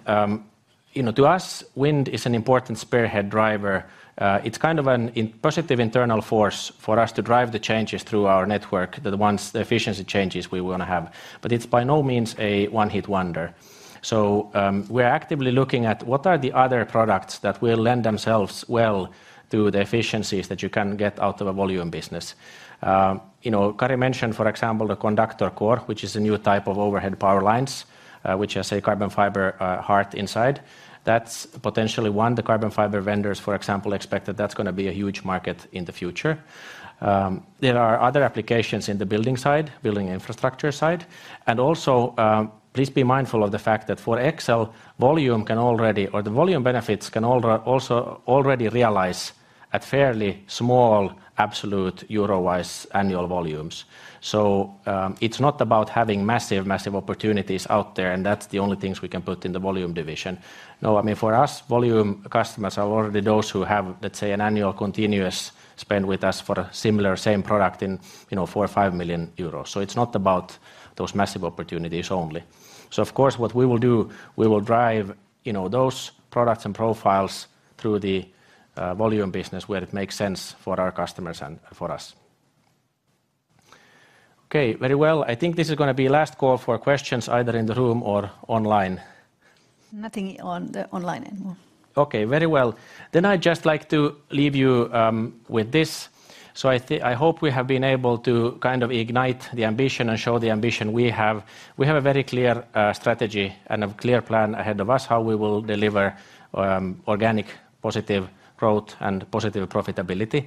you know, to us, wind is an important spearhead driver. It's kind of an inspiring positive internal force for us to drive the changes through our network, the ones, the efficiency changes we want to have, but it's by no means a one-hit wonder. So, we're actively looking at what are the other products that will lend themselves well to the efficiencies that you can get out of a volume business. You know, Kari mentioned, for example, the conductor core, which is a new type of overhead power lines, which has a carbon fiber core inside. That's potentially one. The carbon fiber vendors, for example, expect that that's going to be a huge market in the future. There are other applications in the building side, building infrastructure side. And also, please be mindful of the fact that for Exel, volume can already... or the volume benefits can also already realize at fairly small, absolute euro-wise annual volumes. It's not about having massive, massive opportunities out there, and that's the only things we can put in the volume division. No, I mean, for us, volume customers are already those who have, let's say, an annual continuous spend with us for a similar, same product in, you know, 4 million or 5 million euros. So it's not about those massive opportunities only. So of course, what we will do, we will drive, you know, those products and profiles through the volume business where it makes sense for our customers and for us. Okay, very well. I think this is going to be last call for questions, either in the room or online. Nothing on the online anymore. Okay, very well. Then I'd just like to leave you with this. So I hope we have been able to kind of ignite the ambition and show the ambition we have. We have a very clear strategy and a clear plan ahead of us, how we will deliver organic, positive growth and positive profitability.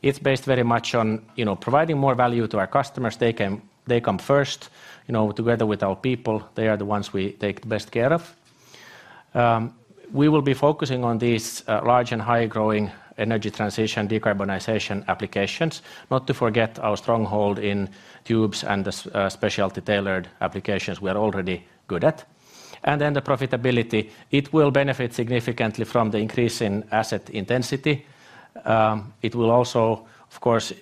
It's based very much on, you know, providing more value to our customers. They come, they come first, you know, together with our people. They are the ones we take the best care of. We will be focusing on these large and high-growing energy transition, decarbonization applications, not to forget our stronghold in tubes and the specialty tailored applications we are already good at. And then the profitability, it will benefit significantly from the increase in asset intensity. It will also, of course,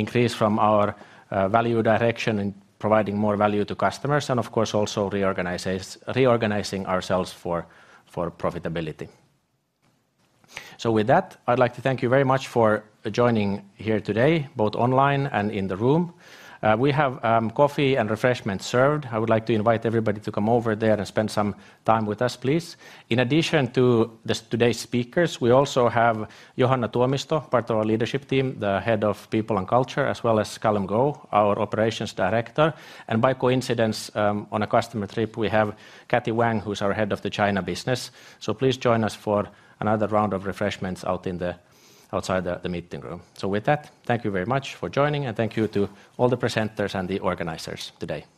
increase from our value direction in providing more value to customers and, of course, also reorganizing ourselves for profitability. So with that, I'd like to thank you very much for joining here today, both online and in the room. We have coffee and refreshments served. I would like to invite everybody to come over there and spend some time with us, please. In addition to today's speakers, we also have Johanna Tuomisto, part of our leadership team, the Head of People and Culture, as well as Calum Go, our Operations Director. And by coincidence, on a customer trip, we have Kathy Wang, who's our head of the China business. So please join us for another round of refreshments outside the meeting room. With that, thank you very much for joining, and thank you to all the presenters and the organizers today.